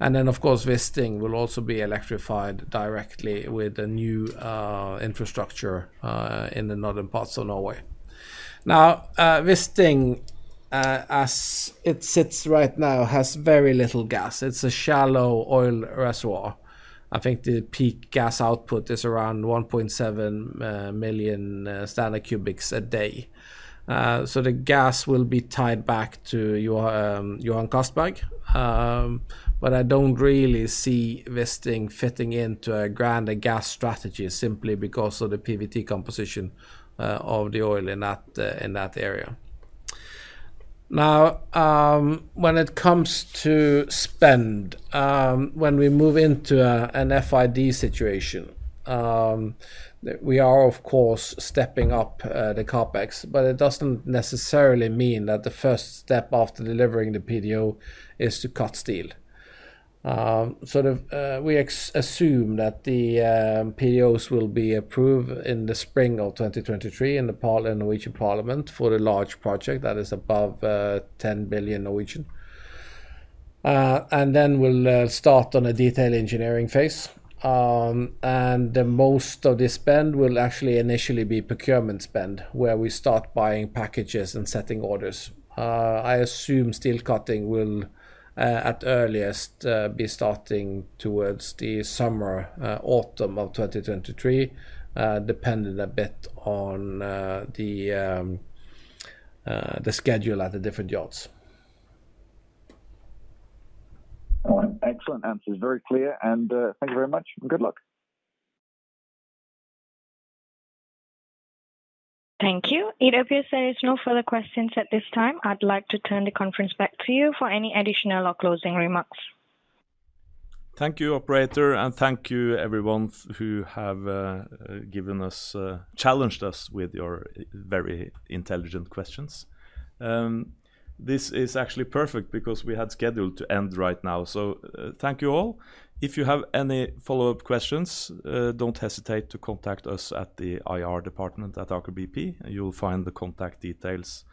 Of course, Wisting will also be electrified directly with a new infrastructure in the northern parts of Norway. Now, Wisting, as it sits right now, has very little gas. It's a shallow oil reservoir. I think the peak gas output is around 1.7 million standard cubic meters a day. The gas will be tied back to Johan Castberg. I don't really see Wisting fitting into a grander gas strategy simply because of the PVT composition of the oil in that area. When it comes to spend, when we move into an FID situation, we are of course stepping up the CapEx, but it doesn't necessarily mean that the first step after delivering the PDO is to cut steel. We assume that the PDOs will be approved in the spring of 2023 in the Norwegian Parliament for a large project that is above 10 billion. Then we'll start on a detailed engineering phase. The most of the spend will actually initially be procurement spend, where we start buying packages and setting orders. I assume steel cutting will at earliest be starting towards the summer, autumn of 2023, dependent a bit on the schedule at the different yards. All right. Excellent answers. Very clear and, thank you very much and good luck. Thank you. It appears there is no further questions at this time. I'd like to turn the conference back to you for any additional or closing remarks. Thank you, operator. Thank you everyone who have given us challenged us with your very intelligent questions. This is actually perfect because we had scheduled to end right now. Thank you all. If you have any follow-up questions, don't hesitate to contact us at the IR department at Aker BP. You'll find the contact details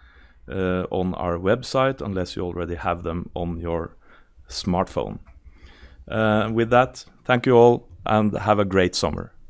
on our website unless you already have them on your smartphone. With that, thank you all and have a great summer.